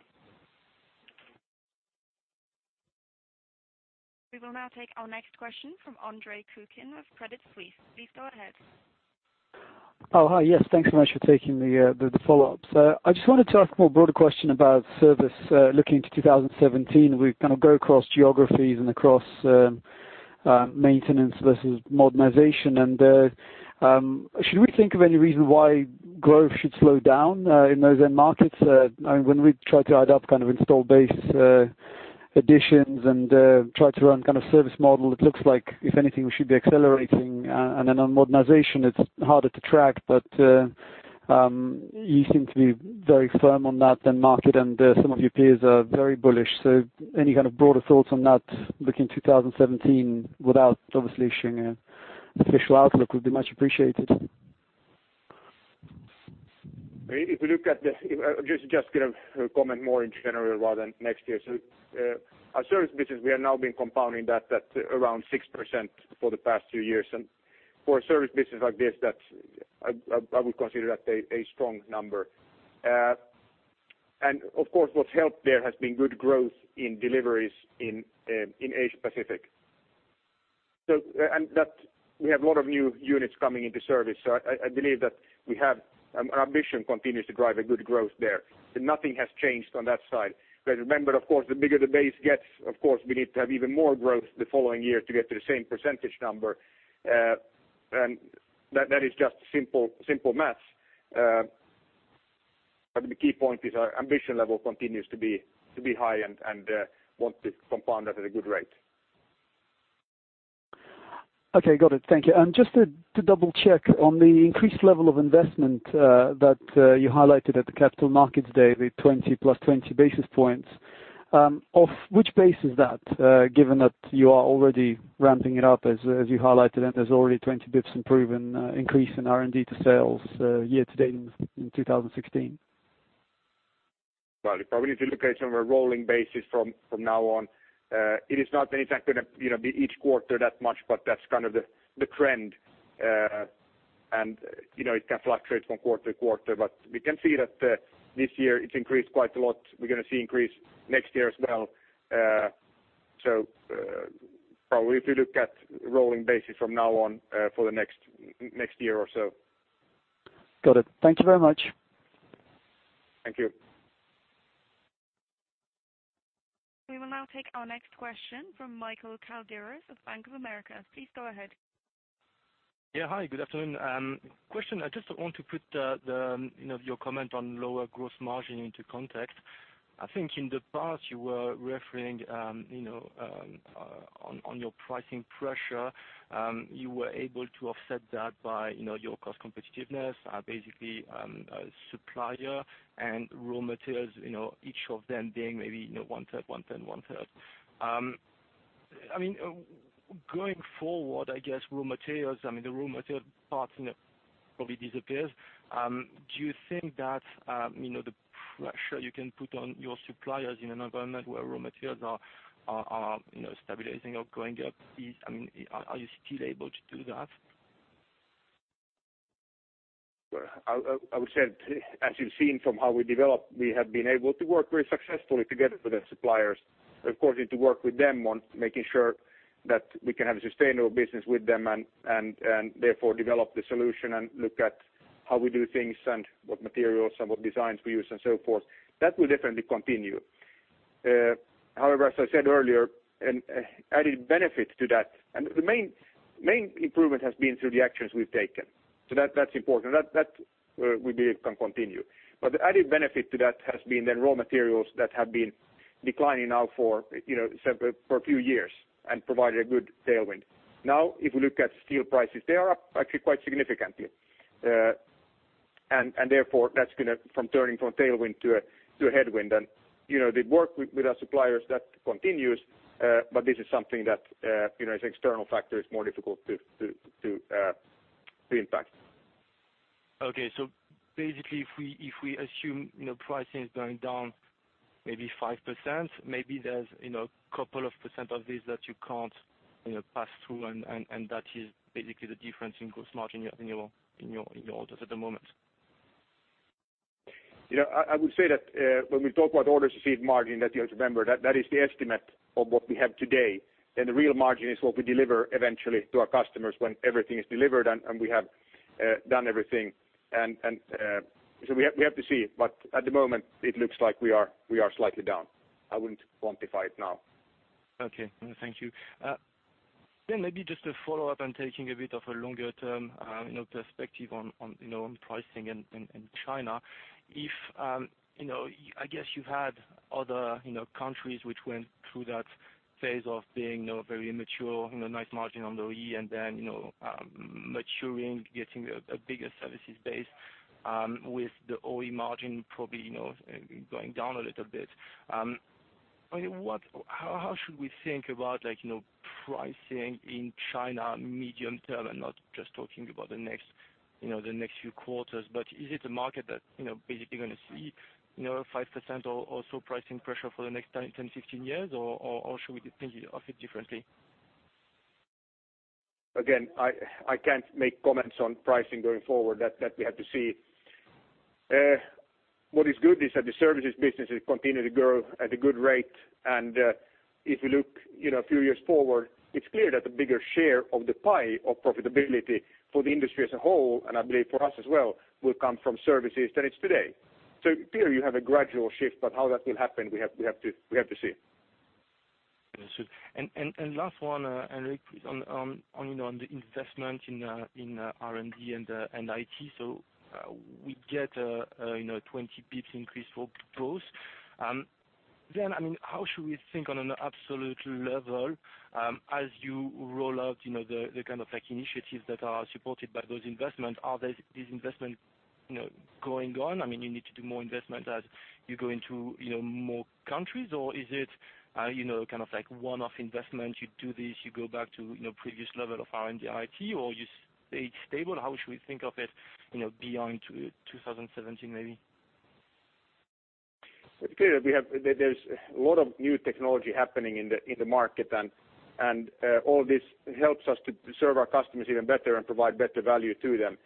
We will now take our next question from Andre Kukhnin of Credit Suisse. Please go ahead. Oh, hi. Yes, thanks so much for taking the follow-up. I just wanted to ask a more broader question about service, looking into 2017, we kind of go across geographies and across maintenance versus modernization. Should we think of any reason why growth should slow down in those end markets? When we try to add up kind of install base additions and try to run kind of service model, it looks like if anything, we should be accelerating. Then on modernization, it's harder to track, but you seem to be very firm on that than market and some of your peers are very bullish. Any kind of broader thoughts on that looking 2017 without obviously issuing an official outlook would be much appreciated. If we look at, just going to comment more in general rather than next year. Our service business, we are now been compounding that at around 6% for the past two years, and for a service business like this I would consider that a strong number. Of course, what's helped there has been good growth in deliveries in Asia Pacific. We have a lot of new units coming into service, so I believe that our ambition continues to drive a good growth there. Nothing has changed on that side. Remember, of course, the bigger the base gets, of course, we need to have even more growth the following year to get to the same percentage number. That is just simple maths. The key point is our ambition level continues to be high and want to compound that at a good rate. Okay. Got it. Thank you. Just to double check on the increased level of investment that you highlighted at the Capital Markets Day, the 20 plus 20 basis points. Of which base is that? Given that you are already ramping it up as you highlighted, and there is already 20 basis points increase in R&D to sales year to date in 2016. Well, probably if you look at it on a rolling basis from now on. It is not any time going to be each quarter that much, but that's kind of the trend. It can fluctuate from quarter to quarter, but we can see that this year it increased quite a lot. We are going to see increase next year as well. Probably if you look at rolling basis from now on for the next year or so. Got it. Thank you very much. Thank you. We will now take our next question from Michael Kalderis of Bank of America. Please go ahead. Yeah. Hi, good afternoon. Question, I just want to put your comment on lower gross margin into context. I think in the past you were referring on your pricing pressure. You were able to offset that by your cost competitiveness, basically, supplier and raw materials, each of them being maybe one third, one third, one third. Going forward, I guess raw materials, I mean, the raw material part probably disappears. Do you think that the pressure you can put on your suppliers in an environment where raw materials are stabilizing or going up, are you still able to do that? I would say as you've seen from how we developed, we have been able to work very successfully together with the suppliers. Of course, we need to work with them on making sure that we can have a sustainable business with them and therefore develop the solution and look at how we do things and what materials and what designs we use and so forth. That will definitely continue. As I said earlier, an added benefit to that, and the main improvement has been through the actions we've taken. That's important. That we believe can continue. The added benefit to that has been the raw materials that have been declining now for a few years and provided a good tailwind. Now, if we look at steel prices, they are up actually quite significantly. Therefore that's going to from turning from tailwind to a headwind and the work with our suppliers, that continues. This is something that, as external factors more difficult to impact. Basically if we assume pricing is going down maybe 5%, maybe there's couple of % of this that you can't pass through and that is basically the difference in gross margin in your orders at the moment. I would say that when we talk about orders received margin that you have to remember that is the estimate of what we have today. The real margin is what we deliver eventually to our customers when everything is delivered and we have done everything. We have to see. At the moment it looks like we are slightly down. I wouldn't quantify it now. Okay. Thank you. Maybe just to follow up on taking a bit of a longer term perspective on pricing in China. I guess you've had other countries which went through that phase of being very immature, nice margin on the OE and then maturing, getting a bigger services base, with the OE margin probably going down a little bit. How should we think about pricing in China medium term and not just talking about the next few quarters. Is it a market that basically going to see 5% or so pricing pressure for the next 10, 15 years or should we think of it differently? Again, I can't make comments on pricing going forward. That we have to see. What is good is that the services business is continuing to grow at a good rate. If you look a few years forward, it's clear that the bigger share of the pie of profitability for the industry as a whole, and I believe for us as well, will come from services than it's today. Clearly, you have a gradual shift, but how that will happen, we have to see. Last one, Henrik, please, on the investment in R&D and IT. We get 20 basis points increase for growth. How should we think on an absolute level as you roll out the kind of initiatives that are supported by those investments? Are these investments going on? You need to do more investments as you go into more countries or is it one-off investment? You do this, you go back to your previous level of R&D, IT or you stay stable? How should we think of it beyond 2017, maybe? It's clear there's a lot of new technology happening in the market and all this helps us to serve our customers even better and provide better value to them.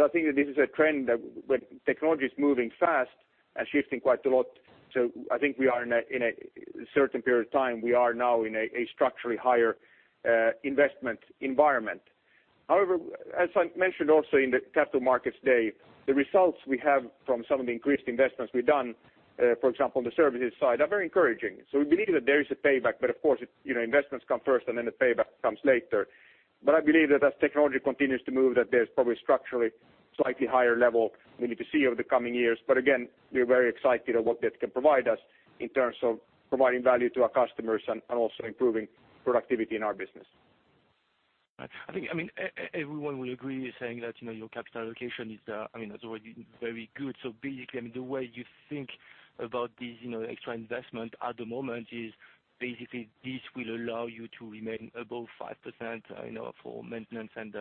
I think that this is a trend that when technology is moving fast and shifting quite a lot, we are in a certain period of time. We are now in a structurally higher investment environment. However, as I mentioned also in the Capital Markets Day, the results we have from some of the increased investments we've done, for example, on the services side, are very encouraging. We believe that there is a payback, but of course, investments come first and then the payback comes later. I believe that as technology continues to move, that there's probably structurally slightly higher level we need to see over the coming years. Again, we're very excited at what that can provide us in terms of providing value to our customers and also improving productivity in our business. I think everyone will agree saying that your capital allocation is already very good. Basically, the way you think about this extra investment at the moment is basically this will allow you to remain above 5% for maintenance and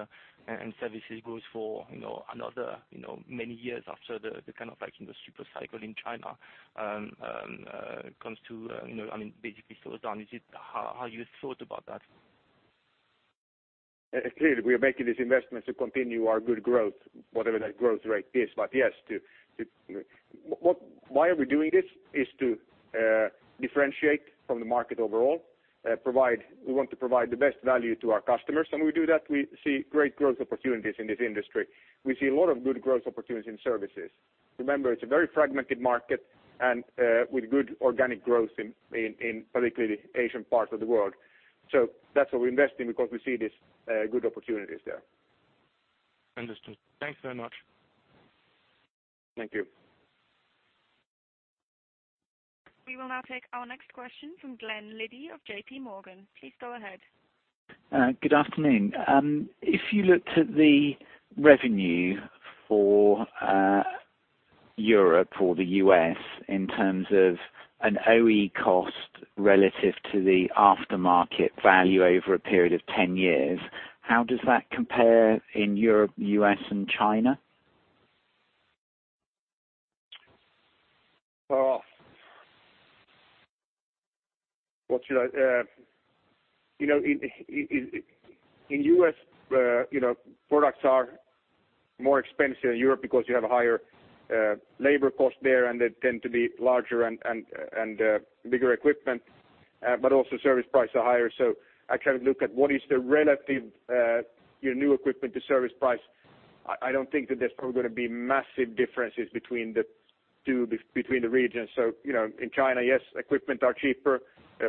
services growth for another many years after the super cycle in China comes to basically slows down. Is it how you thought about that? Clearly, we are making these investments to continue our good growth, whatever that growth rate is. Yes, why are we doing this is to differentiate from the market overall. We want to provide the best value to our customers, and we do that. We see great growth opportunities in this industry. We see a lot of good growth opportunities in services. Remember, it's a very fragmented market, and with good organic growth in particularly the Asian part of the world. That's what we invest in because we see there's good opportunities there. Understood. Thanks very much. Thank you. We will now take our next question from Glen Liddy of JP Morgan. Please go ahead. Good afternoon. If you looked at the revenue for Europe or the U.S. in terms of an OE cost relative to the aftermarket value over a period of 10 years, how does that compare in Europe, U.S., and China? In the U.S., products are more expensive than Europe because you have a higher labor cost there and they tend to be larger and bigger equipment, but also service prices are higher. I kind of look at what is the relative new equipment to service price. I don't think that there's probably going to be massive differences between the two, between the regions. In China, yes, equipment are cheaper,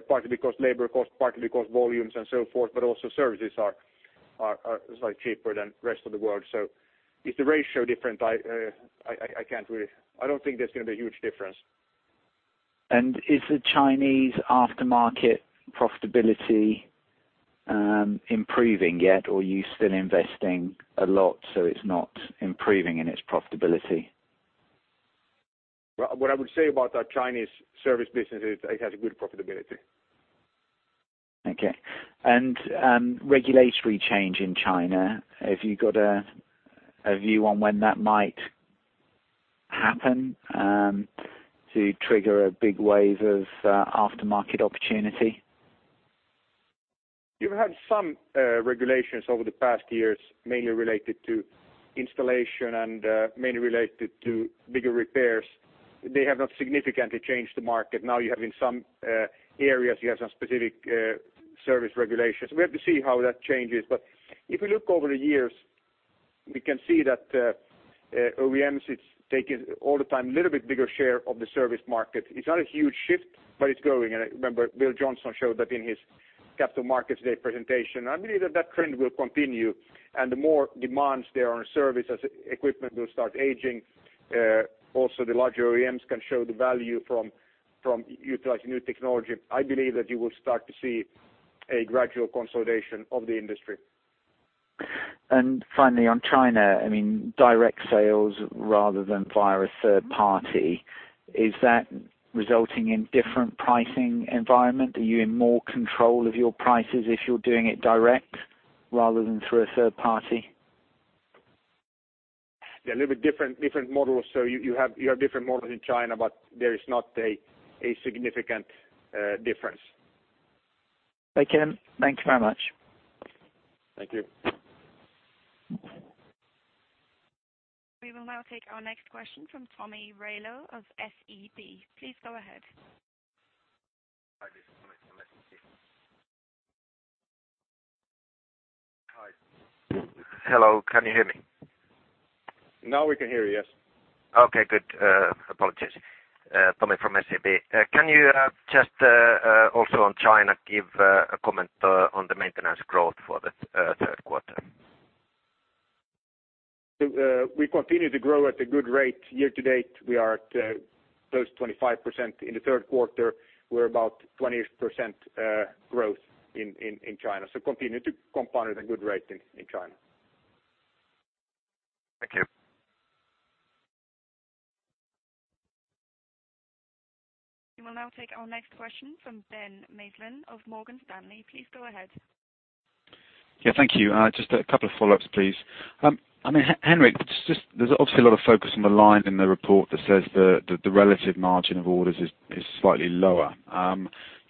partly because labor cost, partly because volumes and so forth, but also services are slightly cheaper than rest of the world. Is the ratio different? I don't think there's going to be a huge difference. Is the Chinese aftermarket profitability improving yet or are you still investing a lot so it's not improving in its profitability? What I would say about our Chinese service business is it has a good profitability. Okay. Regulatory change in China. Have you got a view on when that might happen to trigger a big wave of aftermarket opportunity? You've had some regulations over the past years, mainly related to installation and mainly related to bigger repairs. They have not significantly changed the market. In some areas, you have some specific service regulations. We have to see how that changes. If you look over the years, we can see that OEMs is taking, all the time, little bit bigger share of the service market. It's not a huge shift, but it's growing. I remember Bill Johnson showed that in his Capital Markets Day presentation. I believe that trend will continue, and the more demands there are on service as equipment will start aging, also the larger OEMs can show the value from utilizing new technology. I believe that you will start to see a gradual consolidation of the industry. Finally, on China, direct sales rather than via a third party, is that resulting in different pricing environment? Are you in more control of your prices if you're doing it direct rather than through a third party? They're a little bit different models. You have different models in China, but there is not a significant difference. Okay. Thank you very much. Thank you. We will now take our next question from Tomi Railo of SEB. Please go ahead. Hi, this is Tommy from SEB. Hi. Hello, can you hear me? Now we can hear you, yes. Okay, good. Apologies. Tomi from SEB. Can you just, also on China, give a comment on the maintenance growth for the third quarter? We continue to grow at a good rate. Year to date, we are at close to 25%. In the third quarter, we're about 20% growth in China. Continue to compound at a good rate in China. Thank you. We will now take our next question from Ben Maslen of Morgan Stanley. Please go ahead. Yeah, thank you. Just a couple of follow-ups, please. Henrik, there's obviously a lot of focus on the line in the report that says that the relative margin of orders is slightly lower.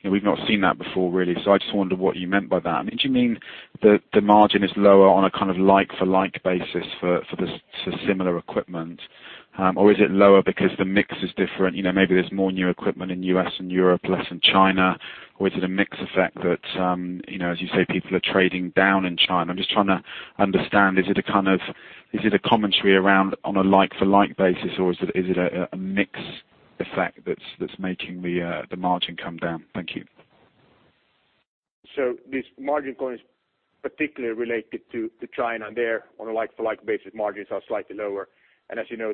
We've not seen that before, really, so I just wonder what you meant by that. Do you mean that the margin is lower on a like for like basis for the similar equipment? Is it lower because the mix is different? Maybe there's more new equipment in U.S. and Europe, less in China. Is it a mix effect that, as you say, people are trading down in China? I'm just trying to understand, is it a commentary around on a like for like basis, or is it a mix effect that's making the margin come down? Thank you. This margin call is particularly related to China. There, on a like for like basis, margins are slightly lower. As you know,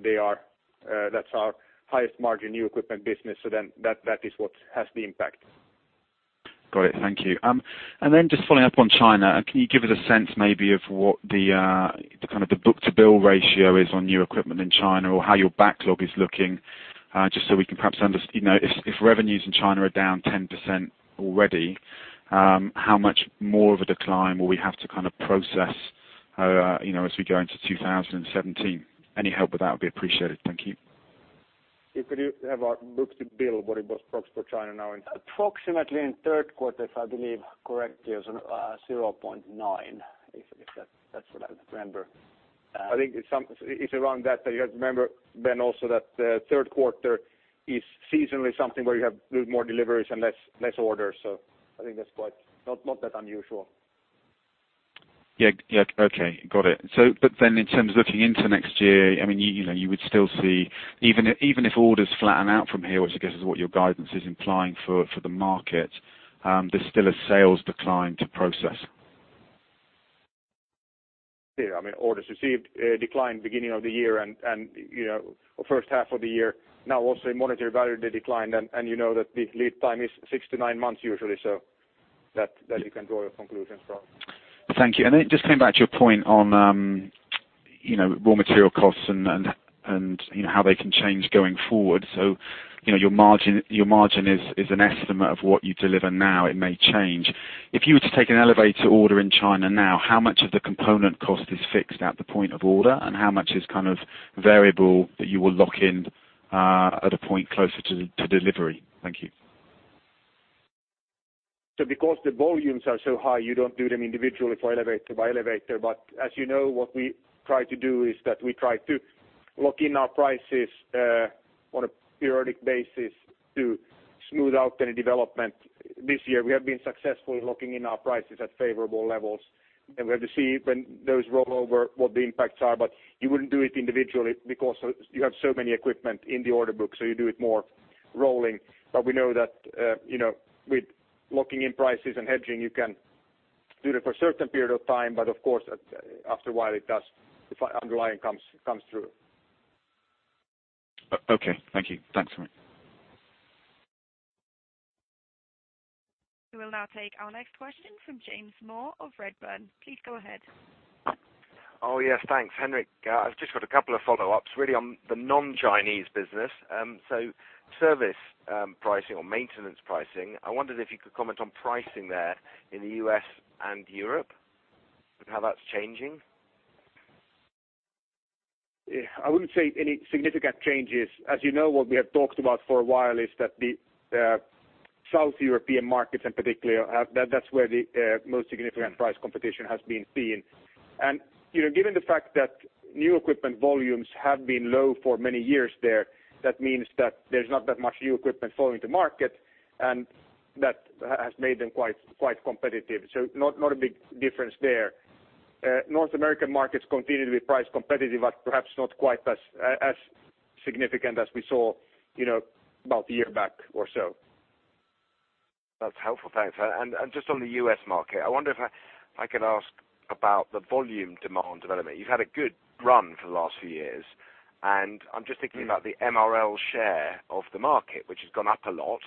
that's our highest margin new equipment business, that is what has the impact. Great. Thank you. Just following up on China, can you give us a sense maybe of what the book to bill ratio is on new equipment in China or how your backlog is looking? Just so we can perhaps under-- if revenues in China are down 10% already, how much more of a decline will we have to process as we go into 2017? Any help with that would be appreciated. Thank you. If you have our book to bill, what it was approximately for China now. Approximately in the third quarter, if I believe correctly, it was 0.9. That's what I remember. I think it's around that. You have to remember, Ben, also that third quarter is seasonally something where you have more deliveries and less orders. I think that's not that unusual. Yeah. Okay. Got it. In terms of looking into next year, you would still see, even if orders flatten out from here, which I guess is what your guidance is implying for the market, there's still a sales decline to process. Yeah. Orders received declined beginning of the year and first half of the year. In monetary value, they declined and you know that the lead time is 6-9 months usually, so that you can draw your conclusions from. Thank you. Just coming back to your point on raw material costs and how they can change going forward. Your margin is an estimate of what you deliver now. It may change. If you were to take an elevator order in China now, how much of the component cost is fixed at the point of order, and how much is variable that you will lock in at a point closer to delivery? Thank you. Because the volumes are so high, you don't do them individually for elevator by elevator. As you know, what we try to do is that we try to lock in our prices on a periodic basis to smooth out any development. This year, we have been successful in locking in our prices at favorable levels. We have to see when those roll over, what the impacts are. You wouldn't do it individually because you have so many equipment in the order book, so you do it more rolling. We know that with locking in prices and hedging, you can do that for a certain period of time, but of course, after a while, the underlying comes through. Okay. Thank you. Thanks very much. We will now take our next question from James Moore of Redburn. Please go ahead. Oh, yes. Thanks. Henrik, I've just got a couple of follow-ups really on the non-Chinese business. Service pricing or maintenance pricing, I wondered if you could comment on pricing there in the U.S. and Europe and how that's changing. I wouldn't say any significant changes. As you know, what we have talked about for a while is that the South European markets in particular. That's where the most significant price competition has been seen. Given the fact that new equipment volumes have been low for many years there, that means that there's not that much new equipment flowing to market, and that has made them quite competitive. Not a big difference there. North American markets continue to be price competitive but perhaps not quite as significant as we saw about a year back or so. That's helpful. Thanks. Just on the U.S. market, I wonder if I could ask about the volume demand development. You've had a good run for the last few years, and I'm just thinking about the MRL share of the market, which has gone up a lot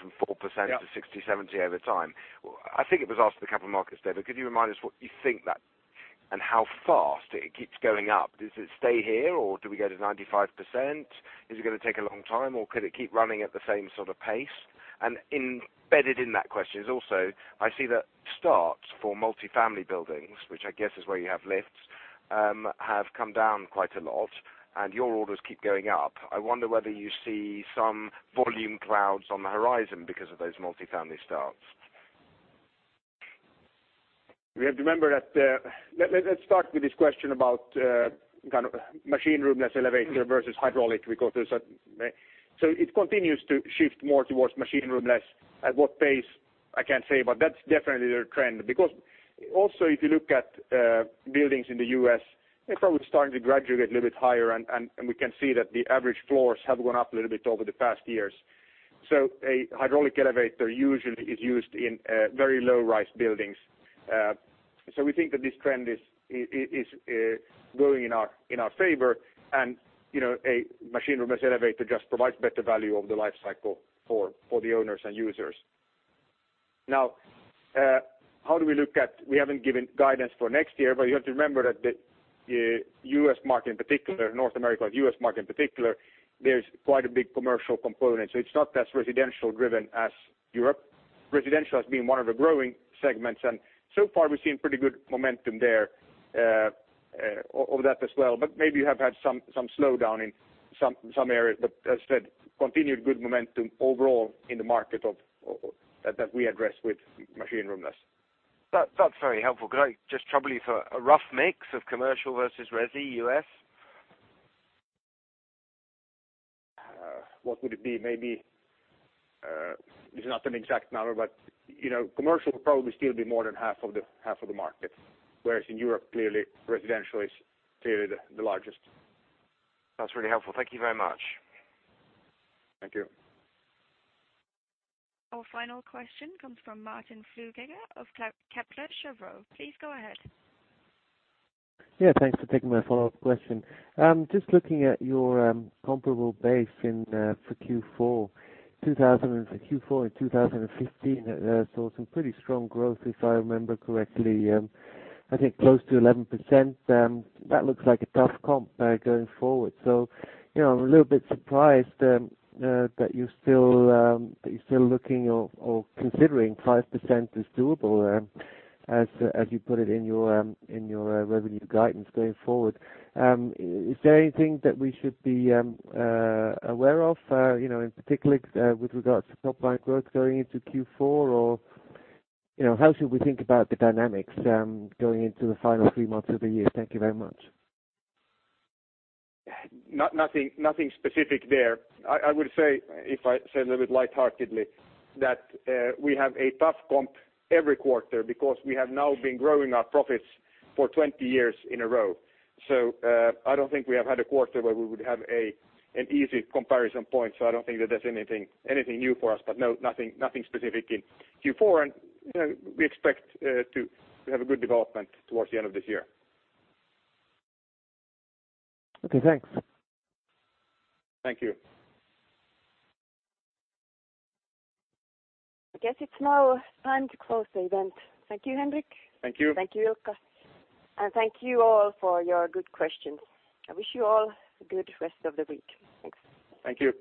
from 4% to 60%-70% over time. I think it was asked at the Capital Markets Day, could you remind us what you think that and how fast it keeps going up? Does it stay here or do we go to 95%? Is it going to take a long time, or could it keep running at the same sort of pace? Embedded in that question is also, I see that starts for multifamily buildings, which I guess is where you have lifts, have come down quite a lot and your orders keep going up. I wonder whether you see some volume clouds on the horizon because of those multifamily starts. Let's start with this question about machine roomless elevator versus hydraulic. It continues to shift more towards machine roomless. At what pace, I can't say, but that's definitely the trend. Also if you look at buildings in the U.S., they're probably starting to gradually get a little bit higher and we can see that the average floors have gone up a little bit over the past years. A hydraulic elevator usually is used in very low-rise buildings. We think that this trend is going in our favor and a machine roomless elevator just provides better value over the life cycle for the owners and users. We haven't given guidance for next year, but you have to remember that the U.S. market in particular, North America or U.S. market in particular, there's quite a big commercial component. It's not as residential driven as Europe. Residential has been one of the growing segments and so far we've seen pretty good momentum there of that as well. Maybe you have had some slowdown in some areas but as I said, continued good momentum overall in the market that we address with machine roomless. That's very helpful. Could I just trouble you for a rough mix of commercial versus resi U.S.? What would it be? Maybe, this is not an exact number, but commercial will probably still be more than half of the market, whereas in Europe, clearly residential is clearly the largest. That's really helpful. Thank you very much. Thank you. Our final question comes from Martin Flueckiger of Kepler Cheuvreux. Please go ahead. Thanks for taking my follow-up question. Just looking at your comparable base for Q4 in 2015, I saw some pretty strong growth, if I remember correctly. I think close to 11%. That looks like a tough comp going forward. I'm a little bit surprised that you're still looking or considering 5% is doable, as you put it in your revenue guidance going forward. Is there anything that we should be aware of in particular with regards to top line growth going into Q4 or how should we think about the dynamics going into the final three months of the year? Thank you very much. Nothing specific there. I would say, if I say a little bit lightheartedly, that we have a tough comp every quarter because we have now been growing our profits for 20 years in a row. I don't think we have had a quarter where we would have an easy comparison point. I don't think that that's anything new for us. No, nothing specific in Q4 and we expect to have a good development towards the end of this year. Thanks. Thank you. I guess it's now time to close the event. Thank you, Henrik. Thank you. Thank you, Sanna and thank you all for your good questions. I wish you all a good rest of the week. Thanks. Thank you